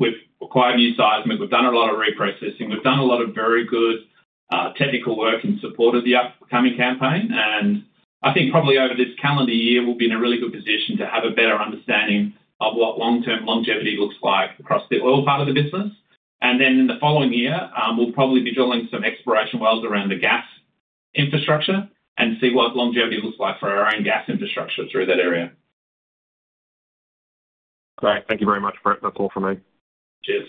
We've acquired new seismic. We've done a lot of reprocessing. We've done a lot of very good technical work in support of the upcoming campaign. I think probably over this calendar year, we'll be in a really good position to have a better understanding of what long-term longevity looks like across the oil part of the business. And then in the following year, we'll probably be drilling some exploration wells around the gas infrastructure and see what longevity looks like for our own gas infrastructure through that area. Great. Thank you very much, Brett. That's all from me. Cheers.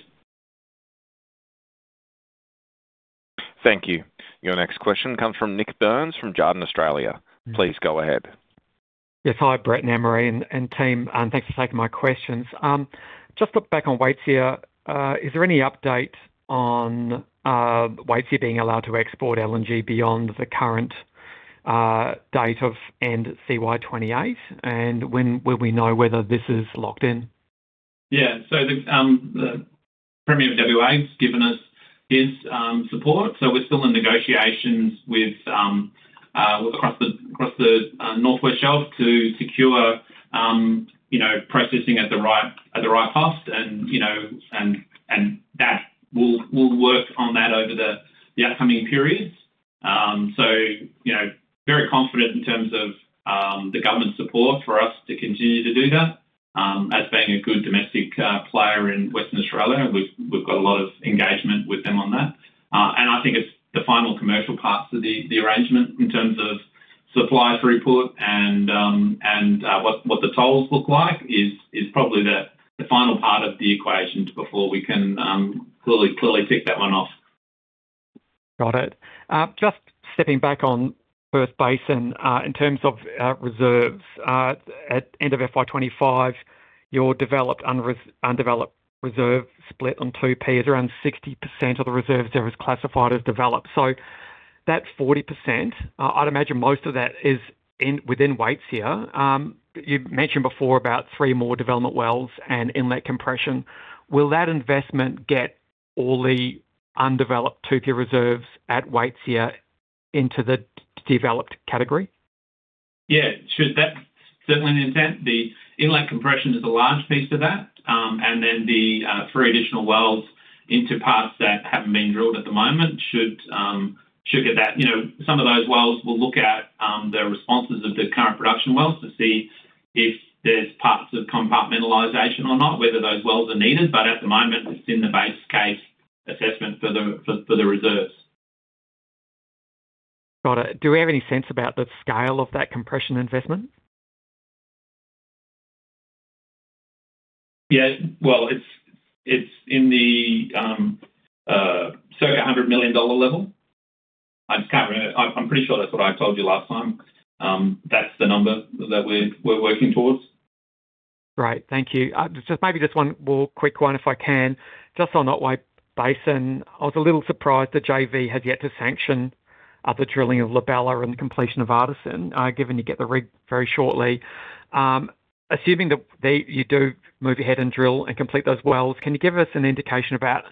Thank you. Your next question comes from Nik Burns from Jarden Australia. Please go ahead. Yes. Hi, Brett and Anne-Marie and team. Thanks for taking my questions. Just looking back on Waitsia, is there any update on Waitsia being allowed to export LNG beyond the current date of end CY2028? And will we know whether this is locked in? Yeah. So the Premier of WA's given us his support. So we're still in negotiations across the North West Shelf to secure processing at the right cost, and that we'll work on that over the upcoming periods. So very confident in terms of the government's support for us to continue to do that as being a good domestic player in Western Australia. We've got a lot of engagement with them on that. And I think the final commercial parts of the arrangement in terms of supply through port and what the tolls look like is probably the final part of the equation before we can clearly tick that one off. Got it. Just stepping back on Perth Basin, in terms of reserves, at end of FY25, your developed/undeveloped reserve split on 2P is around 60% of the reserves there is classified as developed. So that 40%, I'd imagine most of that is within Waitsia. You mentioned before about three more development wells and inlet compression. Will that investment get all the undeveloped 2P reserves at Waitsia into the developed category? Yeah. That's certainly the intent. The inlet compression is a large piece of that. And then the three additional wells into parts that haven't been drilled at the moment should get that. Some of those wells, we'll look at the responses of the current production wells to see if there's parts of compartmentalization or not, whether those wells are needed. But at the moment, it's in the base case assessment for the reserves. Got it. Do we have any sense about the scale of that compression investment? Yeah. Well, it's in the circa 100 million dollar level. I'm pretty sure that's what I told you last time. That's the number that we're working towards. Great. Thank you. Maybe just one more quick one, if I can. Just on Otway Basin, I was a little surprised that JV has yet to sanction the drilling of La Bella and the completion of Artisan, given you get the rig very shortly. Assuming that you do move ahead and drill and complete those wells, can you give us an indication about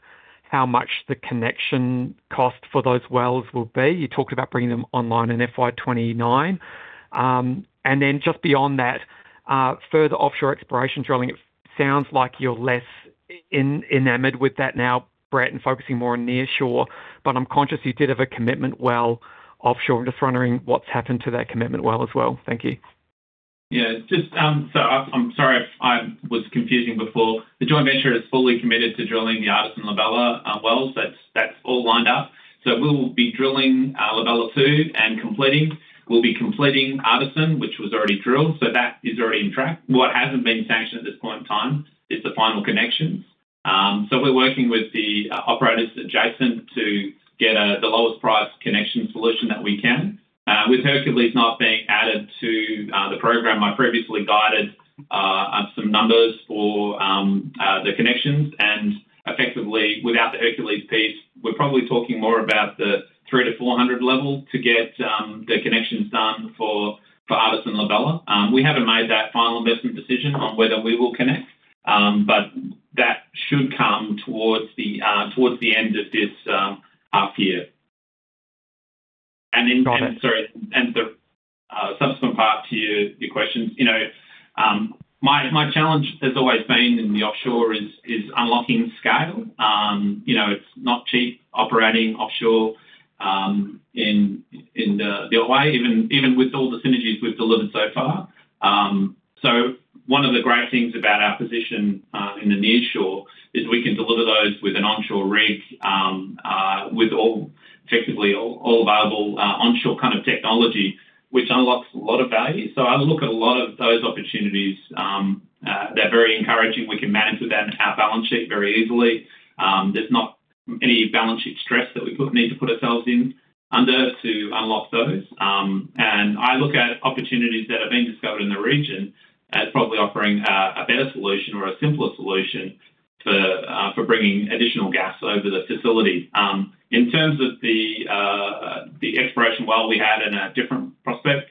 how much the connection cost for those wells will be? You talked about bringing them online in FY29. And then just beyond that, further offshore exploration drilling, it sounds like you're less enamored with that now, Brett, and focusing more on nearshore. But I'm conscious you did have a commitment well offshore. I'm just wondering what's happened to that commitment well as well. Thank you. Yeah. So I'm sorry if I was confusing before. The joint venture is fully committed to drilling the Essington-La Bella wells. That's all lined up. So we'll be drilling La Bella 2 and completing. We'll be completing Artisan, which was already drilled. So that is already on track. What hasn't been sanctioned at this point in time is the final connections. So we're working with the operators adjacent to get the lowest-priced connection solution that we can. With Hercules not being added to the program, I previously guided some numbers for the connections. And effectively, without the Hercules piece, we're probably talking more about the 300 to 400 level to get the connections done for Essington-La Bella. We haven't made that final investment decision on whether we will connect, but that should come towards the end of this half-year. And sorry, and the subsequent part to your questions, my challenge has always been in the offshore is unlocking scale. It's not cheap operating offshore in the Otway, even with all the synergies we've delivered so far. So one of the great things about our position in the nearshore is we can deliver those with an onshore rig with effectively all available onshore kind of technology, which unlocks a lot of value. So I look at a lot of those opportunities. They're very encouraging. We can manage with them our balance sheet very easily. There's not any balance sheet stress that we need to put ourselves under to unlock those. And I look at opportunities that have been discovered in the region as probably offering a better solution or a simpler solution for bringing additional gas over the facility. In terms of the exploration well, we had a different prospect.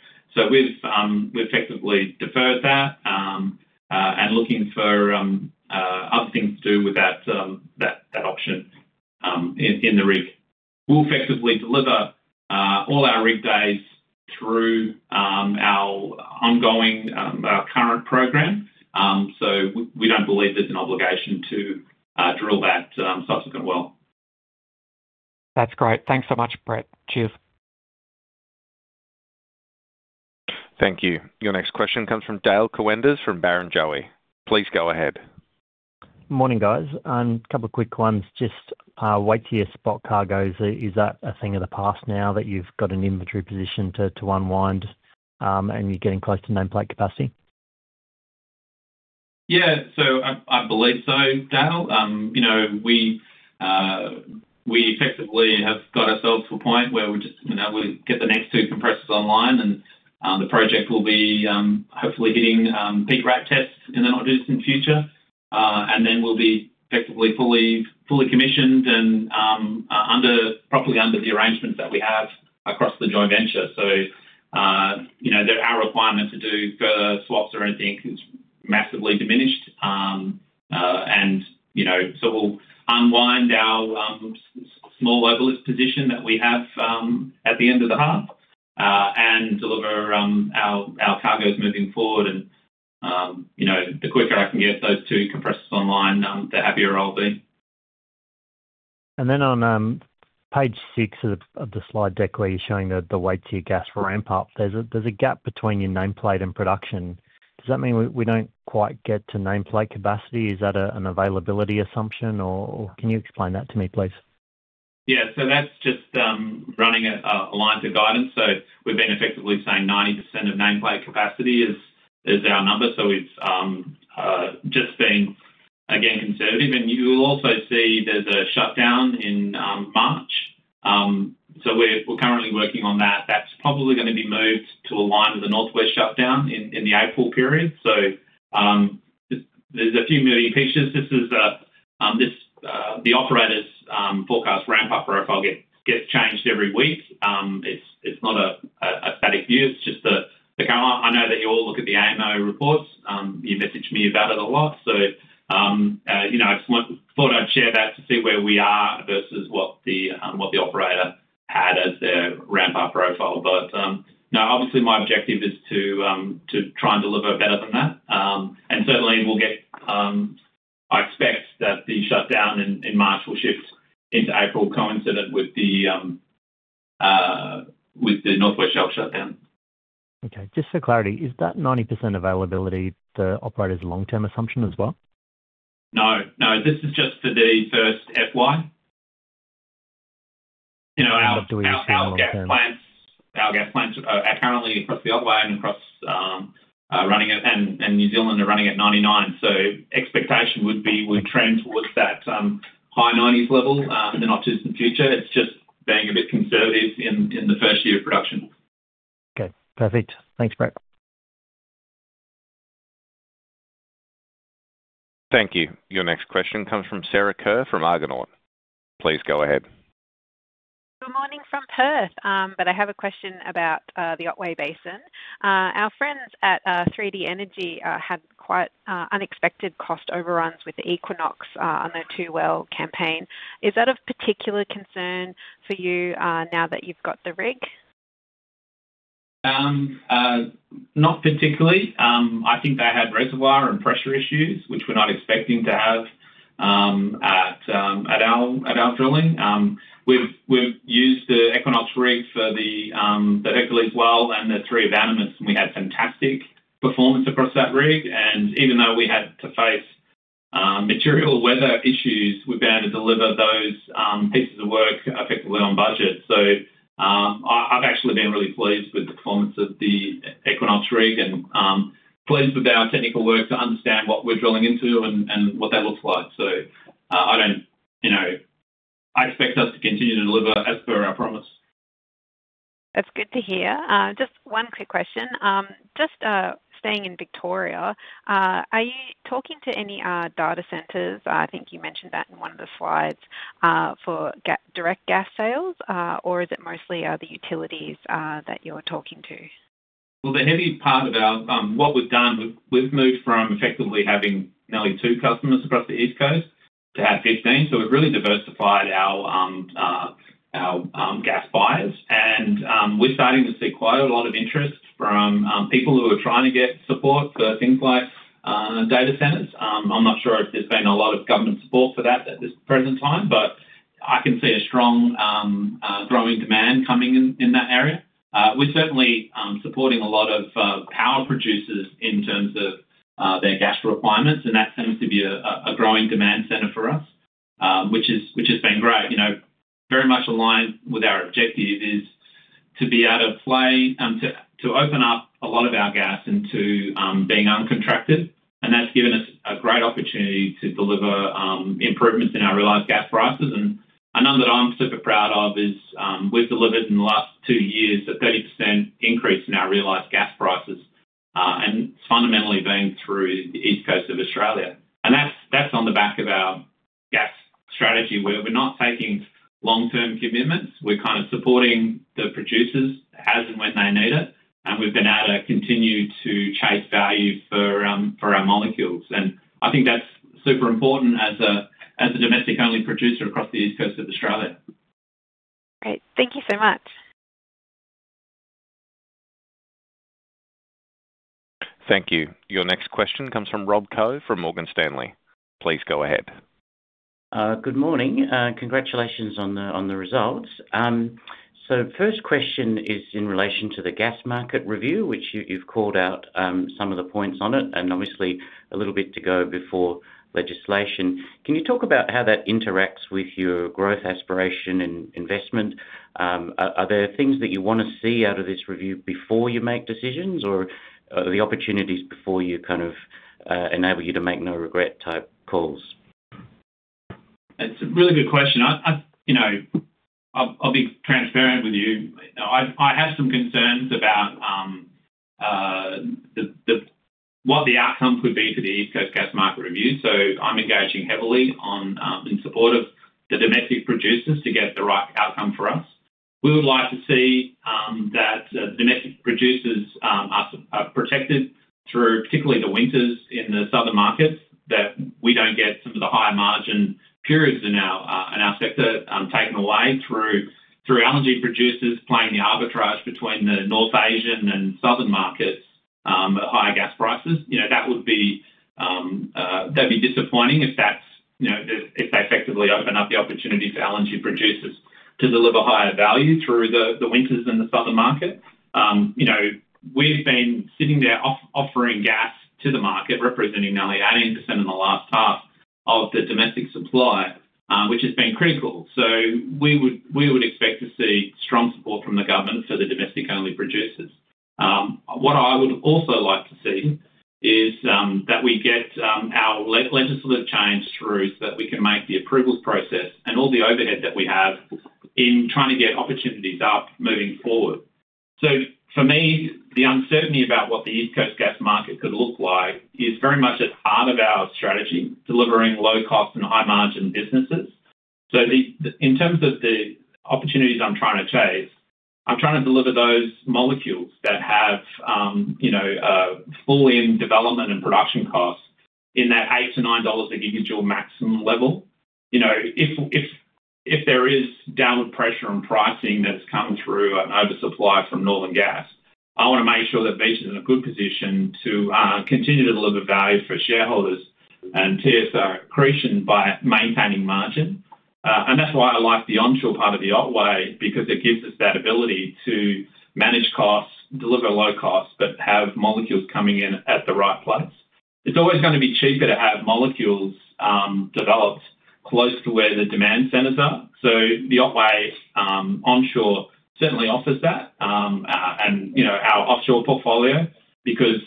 We've effectively deferred that and looking for other things to do with that option in the rig. We'll effectively deliver all our rig days through our ongoing current program. We don't believe there's an obligation to drill that subsequent well. That's great. Thanks so much, Brett. Cheers. Thank you. Your next question comes from Dale Koenders from Barrenjoey. Please go ahead. Morning, guys. A couple of quick ones. Just Waitsia spot cargoes, is that a thing of the past now that you've got an inventory position to unwind and you're getting close to nameplate capacity? Yeah. So I believe so, Dale. We effectively have got ourselves to a point where we'll get the next two compressors online, and the project will be hopefully hitting peak rate tests in the not-too-distant future. And then we'll be effectively fully commissioned and properly under the arrangements that we have across the joint venture. So our requirement to do further swaps or anything is massively diminished. And so we'll unwind our small overlift position that we have at the end of the half and deliver our cargoes moving forward. And the quicker I can get those two compressors online, the happier I'll be. And then on page six of the slide deck where you're showing the Waitsia gas ramp-up, there's a gap between your nameplate and production. Does that mean we don't quite get to nameplate capacity? Is that an availability assumption, or can you explain that to me, please? Yeah. So that's just running aligned to guidance. So we've been effectively saying 90% of nameplate capacity is our number. So it's just been, again, conservative. And you'll also see there's a shutdown in March. So we're currently working on that. That's probably going to be moved to align with the North West Shelf shutdown in the April period. So there's a few moving features. The operator's forecast ramp-up profile gets changed every week. It's not a static view. It's just the current one. I know that you all look at the AEMO reports. You messaged me about it a lot. So I just thought I'd share that to see where we are versus what the operator had as their ramp-up profile. But no, obviously, my objective is to try and deliver better than that. Certainly, I expect that the shutdown in March will shift into April coincident with the North West Shelf shutdown. Okay. Just for clarity, is that 90% availability the operator's long-term assumption as well? No. No. This is just for the first FY. What do we assume long-term? Our gas plants are currently across the Otway and running at and New Zealand are running at 99%. So expectation would be we'd trend towards that high 90s% level in the not-too-distant future. It's just being a bit conservative in the first year of production. Okay. Perfect. Thanks, Brett. Thank you. Your next question comes from Sarah Kerr from Argonaut. Please go ahead. Good morning from Perth, but I have a question about the Otway Basin. Our friends at 3D Energi had quite unexpected cost overruns with the Equinox on their 2 well campaign. Is that of particular concern for you now that you've got the rig? Not particularly. I think they had reservoir and pressure issues, which we're not expecting to have at our drilling. We've used the Equinox rig for the Hercules well and the three abandonments, and we had fantastic performance across that rig. Even though we had to face material weather issues, we've been able to deliver those pieces of work effectively on budget. So I've actually been really pleased with the performance of the Equinox rig and pleased with our technical work to understand what we're drilling into and what that looks like. So I expect us to continue to deliver as per our promise. That's good to hear. Just one quick question. Just staying in Victoria, are you talking to any data centers? I think you mentioned that in one of the slides for direct gas sales, or is it mostly the utilities that you're talking to? Well, the heavy part of what we've done, we've moved from effectively having nearly two customers across the East Coast to have 15. We've really diversified our gas buyers. We're starting to see quite a lot of interest from people who are trying to get support for things like data centers. I'm not sure if there's been a lot of government support for that at this present time, but I can see a strong growing demand coming in that area. We're certainly supporting a lot of power producers in terms of their gas requirements, and that seems to be a growing demand center for us, which has been great. Very much aligned with our objective is to be able to play to open up a lot of our gas into being uncontracted. That's given us a great opportunity to deliver improvements in our realized gas prices. Another that I'm super proud of is we've delivered in the last two years a 30% increase in our realized gas prices, and it's fundamentally been through the East Coast of Australia. That's on the back of our gas strategy. We're not taking long-term commitments. We're kind of supporting the producers as and when they need it. We've been able to continue to chase value for our molecules. I think that's super important as a domestic-only producer across the East Coast of Australia. Great. Thank you so much. Thank you. Your next question comes from Rob Koh from Morgan Stanley. Please go ahead. Good morning. Congratulations on the results. First question is in relation to the gas market review, which you've called out some of the points on it and obviously a little bit to go before legislation. Can you talk about how that interacts with your growth aspiration and investment? Are there things that you want to see out of this review before you make decisions or the opportunities before you kind of enable you to make no-regret type calls? It's a really good question. I'll be transparent with you. I have some concerns about what the outcome could be for the East Coast Gas Market Review. So I'm engaging heavily in support of the domestic producers to get the right outcome for us. We would like to see that the domestic producers are protected through particularly the winters in the southern markets, that we don't get some of the higher-margin periods in our sector taken away through LNG producers playing the arbitrage between the North Asian and southern markets at higher gas prices. That would be that'd be disappointing if they effectively open up the opportunity for LNG producers to deliver higher value through the winters in the southern market. We've been sitting there offering gas to the market, representing nearly 18% in the last half of the domestic supply, which has been critical. So we would expect to see strong support from the government for the domestic-only producers. What I would also like to see is that we get our legislative change through so that we can make the approvals process and all the overhead that we have in trying to get opportunities up moving forward. So for me, the uncertainty about what the East Coast gas market could look like is very much at heart of our strategy, delivering low-cost and high-margin businesses. So in terms of the opportunities I'm trying to chase, I'm trying to deliver those molecules that have full-in development and production costs in that 8 to 9 dollars a gigajoule maximum level. If there is downward pressure on pricing that's come through an oversupply from Northern Gas, I want to make sure that Beach is in a good position to continue to deliver value for shareholders and TSR accretion by maintaining margin. And that's why I like the onshore part of the Otway because it gives us that ability to manage costs, deliver low costs, but have molecules coming in at the right place. It's always going to be cheaper to have molecules developed close to where the demand centers are. So the Otway onshore certainly offers that and our offshore portfolio because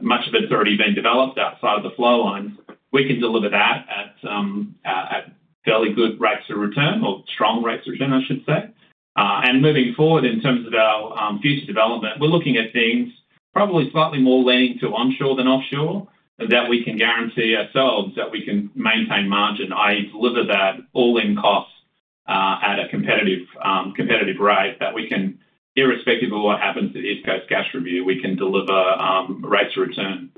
much of it's already been developed outside of the flow lines. We can deliver that at fairly good rates of return or strong rates of return, I should say. Moving forward in terms of our future development, we're looking at things probably slightly more leaning to onshore than offshore that we can guarantee ourselves that we can maintain margin, i.e., deliver that all-in cost at a competitive rate that we can, irrespective of what happens to the East Coast gas review, we can deliver rates of return.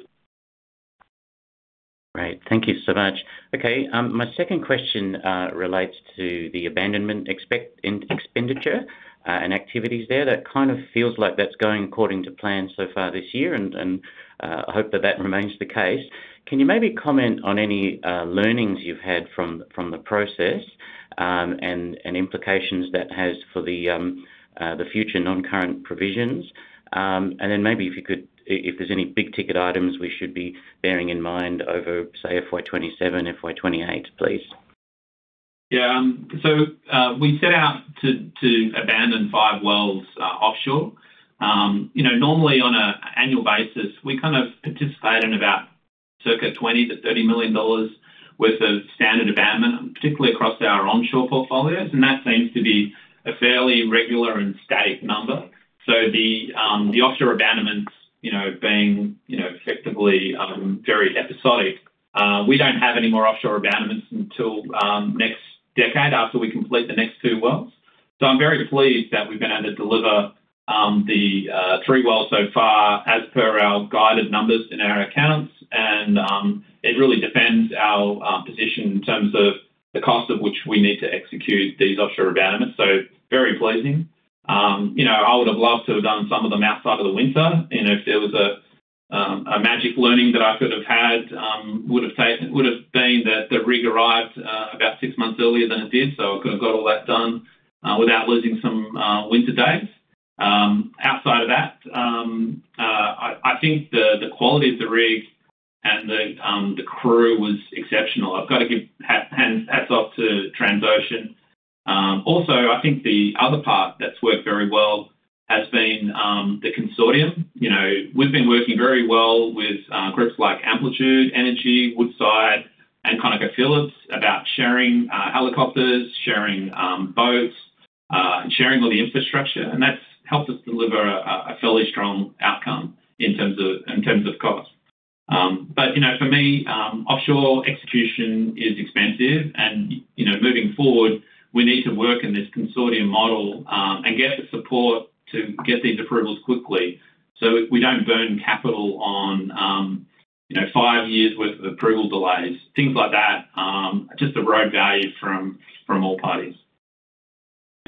Great. Thank you so much. Okay. My second question relates to the abandonment expenditure and activities there. That kind of feels like that's going according to plan so far this year, and I hope that that remains the case. Can you maybe comment on any learnings you've had from the process and implications that has for the future non-current provisions? And then maybe if you could, if there's any big-ticket items we should be bearing in mind over, say, FY27, FY28, please. Yeah. So we set out to abandon five wells offshore. Normally, on an annual basis, we kind of participate in about circa 20 to 30 million worth of standard abandonment, particularly across our onshore portfolios. And that seems to be a fairly regular and static number. So the offshore abandonments being effectively very episodic, we don't have any more offshore abandonments until next decade after we complete the next two wells. So I'm very pleased that we've been able to deliver the three wells so far as per our guided numbers in our accounts. And it really defends our position in terms of the cost of which we need to execute these offshore abandonments. So very pleasing. I would have loved to have done some of them outside of the winter. If there was a magic learning that I could have had, it would have been that the rig arrived about six months earlier than it did. So I could have got all that done without losing some winter days. Outside of that, I think the quality of the rig and the crew was exceptional. I've got to give hats off to Transocean. Also, I think the other part that's worked very well has been the consortium. We've been working very well with groups like Cooper Energy, Woodside, and ConocoPhillips about sharing helicopters, sharing boats, sharing all the infrastructure. And that's helped us deliver a fairly strong outcome in terms of cost. But for me, offshore execution is expensive. Moving forward, we need to work in this consortium model and get the support to get these approvals quickly so we don't burn capital on 5 years' worth of approval delays, things like that, just to grow value from all parties.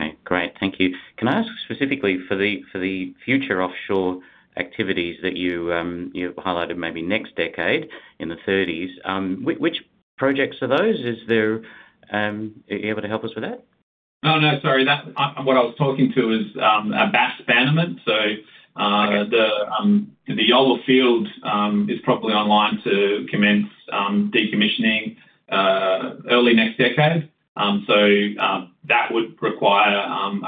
Okay. Great. Thank you. Can I ask specifically for the future offshore activities that you've highlighted maybe next decade in the 2030s, which projects are those? Are you able to help us with that? Oh, no. Sorry. What I was talking to is a Bass Basin amount. So the Yolla Field is probably online to commence decommissioning early next decade. So that would require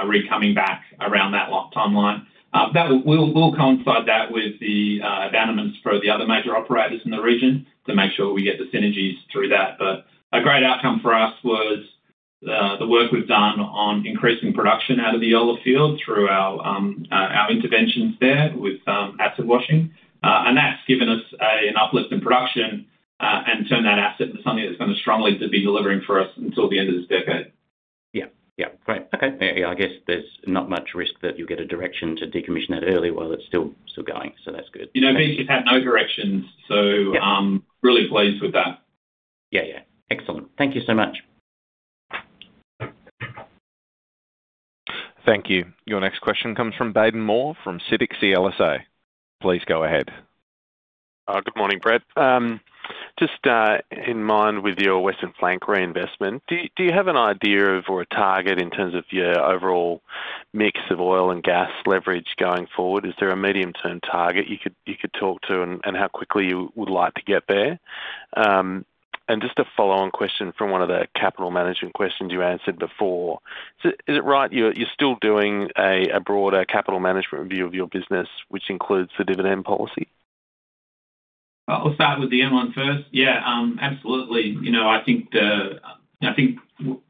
a rig coming back around that timeline. We'll coincide that with the abandonments for the other major operators in the region to make sure we get the synergies through that. But a great outcome for us was the work we've done on increasing production out of the Yolla Field through our interventions there with acid washing. And that's given us an uplift in production and turned that asset into something that's going to strongly be delivering for us until the end of this decade. Yeah. Yeah. Great. Okay. I guess there's not much risk that you get a direction to decommission that early while it's still going. So that's good. Beach has had no directions. So really pleased with that. Yeah. Yeah. Excellent. Thank you so much. Thank you. Your next question comes from Baden Moore from CLSA. Please go ahead. Good morning, Brett. Just in line with your Western Flank reinvestment, do you have an idea of or a target in terms of your overall mix of oil and gas leverage going forward? Is there a medium-term target you could talk to and how quickly you would like to get there? Just a follow-on question from one of the capital management questions you answered before. Is it right you're still doing a broader capital management review of your business, which includes the dividend policy? I'll start with the end one first. Yeah. Absolutely. I think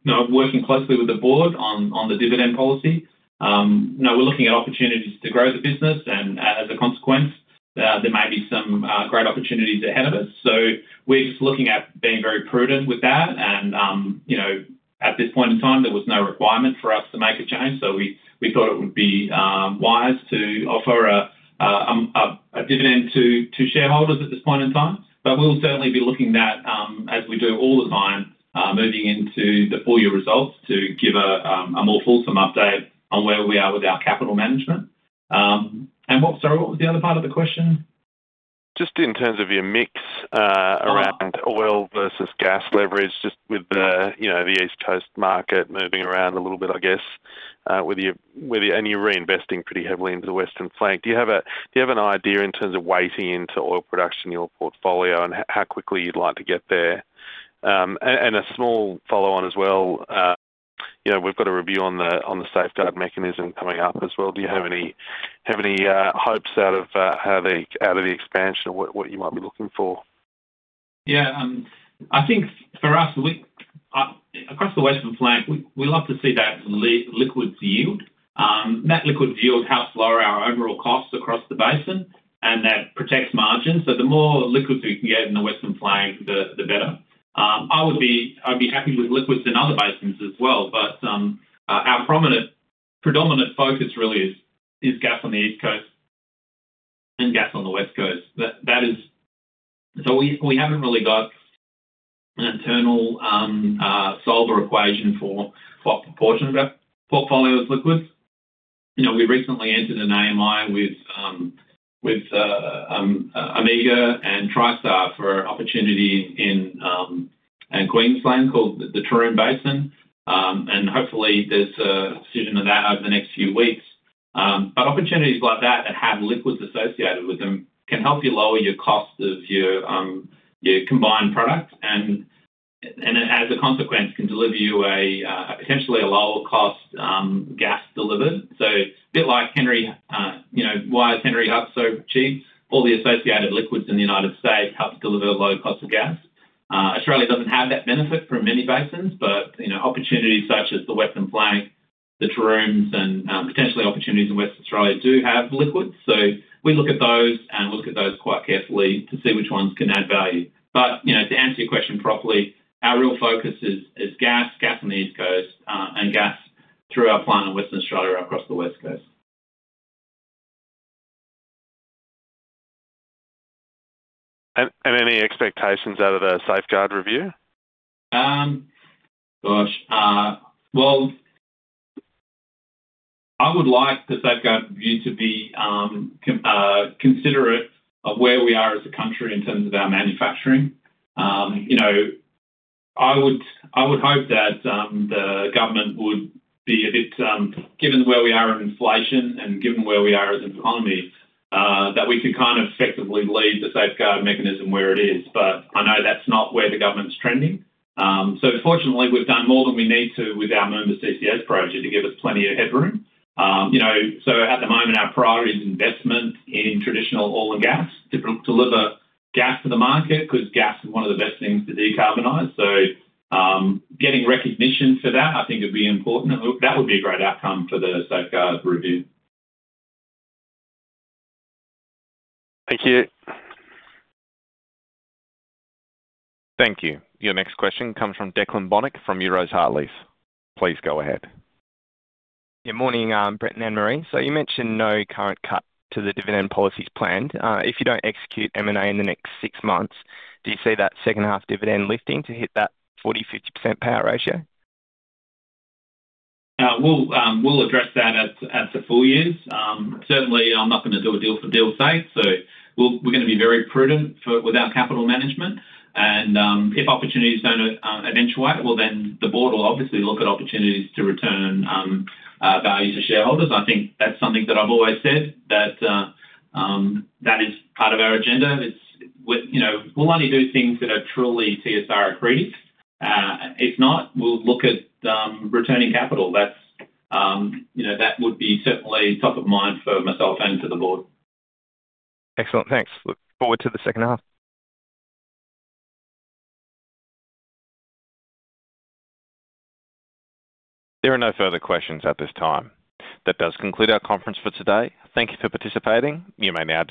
I've worked closely with the Board on the dividend policy. We're looking at opportunities to grow the business. And as a consequence, there may be some great opportunities ahead of us. So we're just looking at being very prudent with that. And at this point in time, there was no requirement for us to make a change. So we thought it would be wise to offer a dividend to shareholders at this point in time. But we'll certainly be looking at, as we do all the time, moving into the full-year results to give a more fulsome update on where we are with our capital management. And sorry, what was the other part of the question? Just in terms of your mix around oil versus gas leverage, just with the East Coast market moving around a little bit, I guess, and you're reinvesting pretty heavily into the Western Flank, do you have an idea in terms of weighting into oil production in your portfolio and how quickly you'd like to get there? And a small follow-on as well, we've got a review on the Safeguard Mechanism coming up as well. Do you have any hopes out of the expansion of what you might be looking for? Yeah. I think for us, across the Western Flank, we love to see that liquids yield. That liquids yield helps lower our overall costs across the basin, and that protects margins. So the more liquids we can get in the Western Flank, the better. I would be happy with liquids in other basins as well. But our predominant focus really is gas on the East Coast and gas on the West Coast. So we haven't really got an internal solver equation for what proportion of our portfolio is liquids. We recently entered an AMI with Omega and Tri-Star for an opportunity in Queensland called the Taroom Basin. And hopefully, there's a decision on that over the next few weeks. But opportunities like that that have liquids associated with them can help you lower your cost of your combined product and, as a consequence, can deliver you potentially a lower-cost gas delivered. So a bit like why Henry Hub is so cheap, all the associated liquids in the United States help deliver low-cost gas. Australia doesn't have that benefit from many basins, but opportunities such as the Western Flank, the Taroom, and potentially opportunities in Western Australia do have liquids. So we look at those, and we look at those quite carefully to see which ones can add value. But to answer your question properly, our real focus is gas, gas on the East Coast, and gas through our plant in Western Australia across the West Coast. Any expectations out of a safeguard review? Gosh. Well, I would like the safeguard review to be considerate of where we are as a country in terms of our manufacturing. I would hope that the government would be a bit given where we are in inflation and given where we are as an economy, that we could kind of effectively lead the Safeguard Mechanism where it is. But I know that's not where the government's trending. So fortunately, we've done more than we need to with our Moomba CCS project to give us plenty of headroom. So at the moment, our priority is investment in traditional oil and gas to deliver gas to the market because gas is one of the best things to decarbonize. So getting recognition for that, I think, would be important. That would be a great outcome for the safeguard review. Thank you. Thank you. Your next question comes from Declan Bonnick from Euroz Hartleys. Please go ahead. Good morning, Brett and Anne-Marie. So you mentioned no current cut to the dividend policy's planned. If you don't execute M&A in the next six months, do you see that second-half dividend lifting to hit that 40% to 50% payout ratio? Yeah. We'll address that at the full years. Certainly, I'm not going to do a deal-for-deal sake. So we're going to be very prudent with our capital management. And if opportunities don't eventuate, well, then the board will obviously look at opportunities to return value to shareholders. I think that's something that I've always said, that that is part of our agenda. We'll only do things that are truly TSR accretive. If not, we'll look at returning capital. That would be certainly top of mind for myself and for the board. Excellent. Thanks. Looking forward to the second half. There are no further questions at this time. That does conclude our conference for today. Thank you for participating. You may now.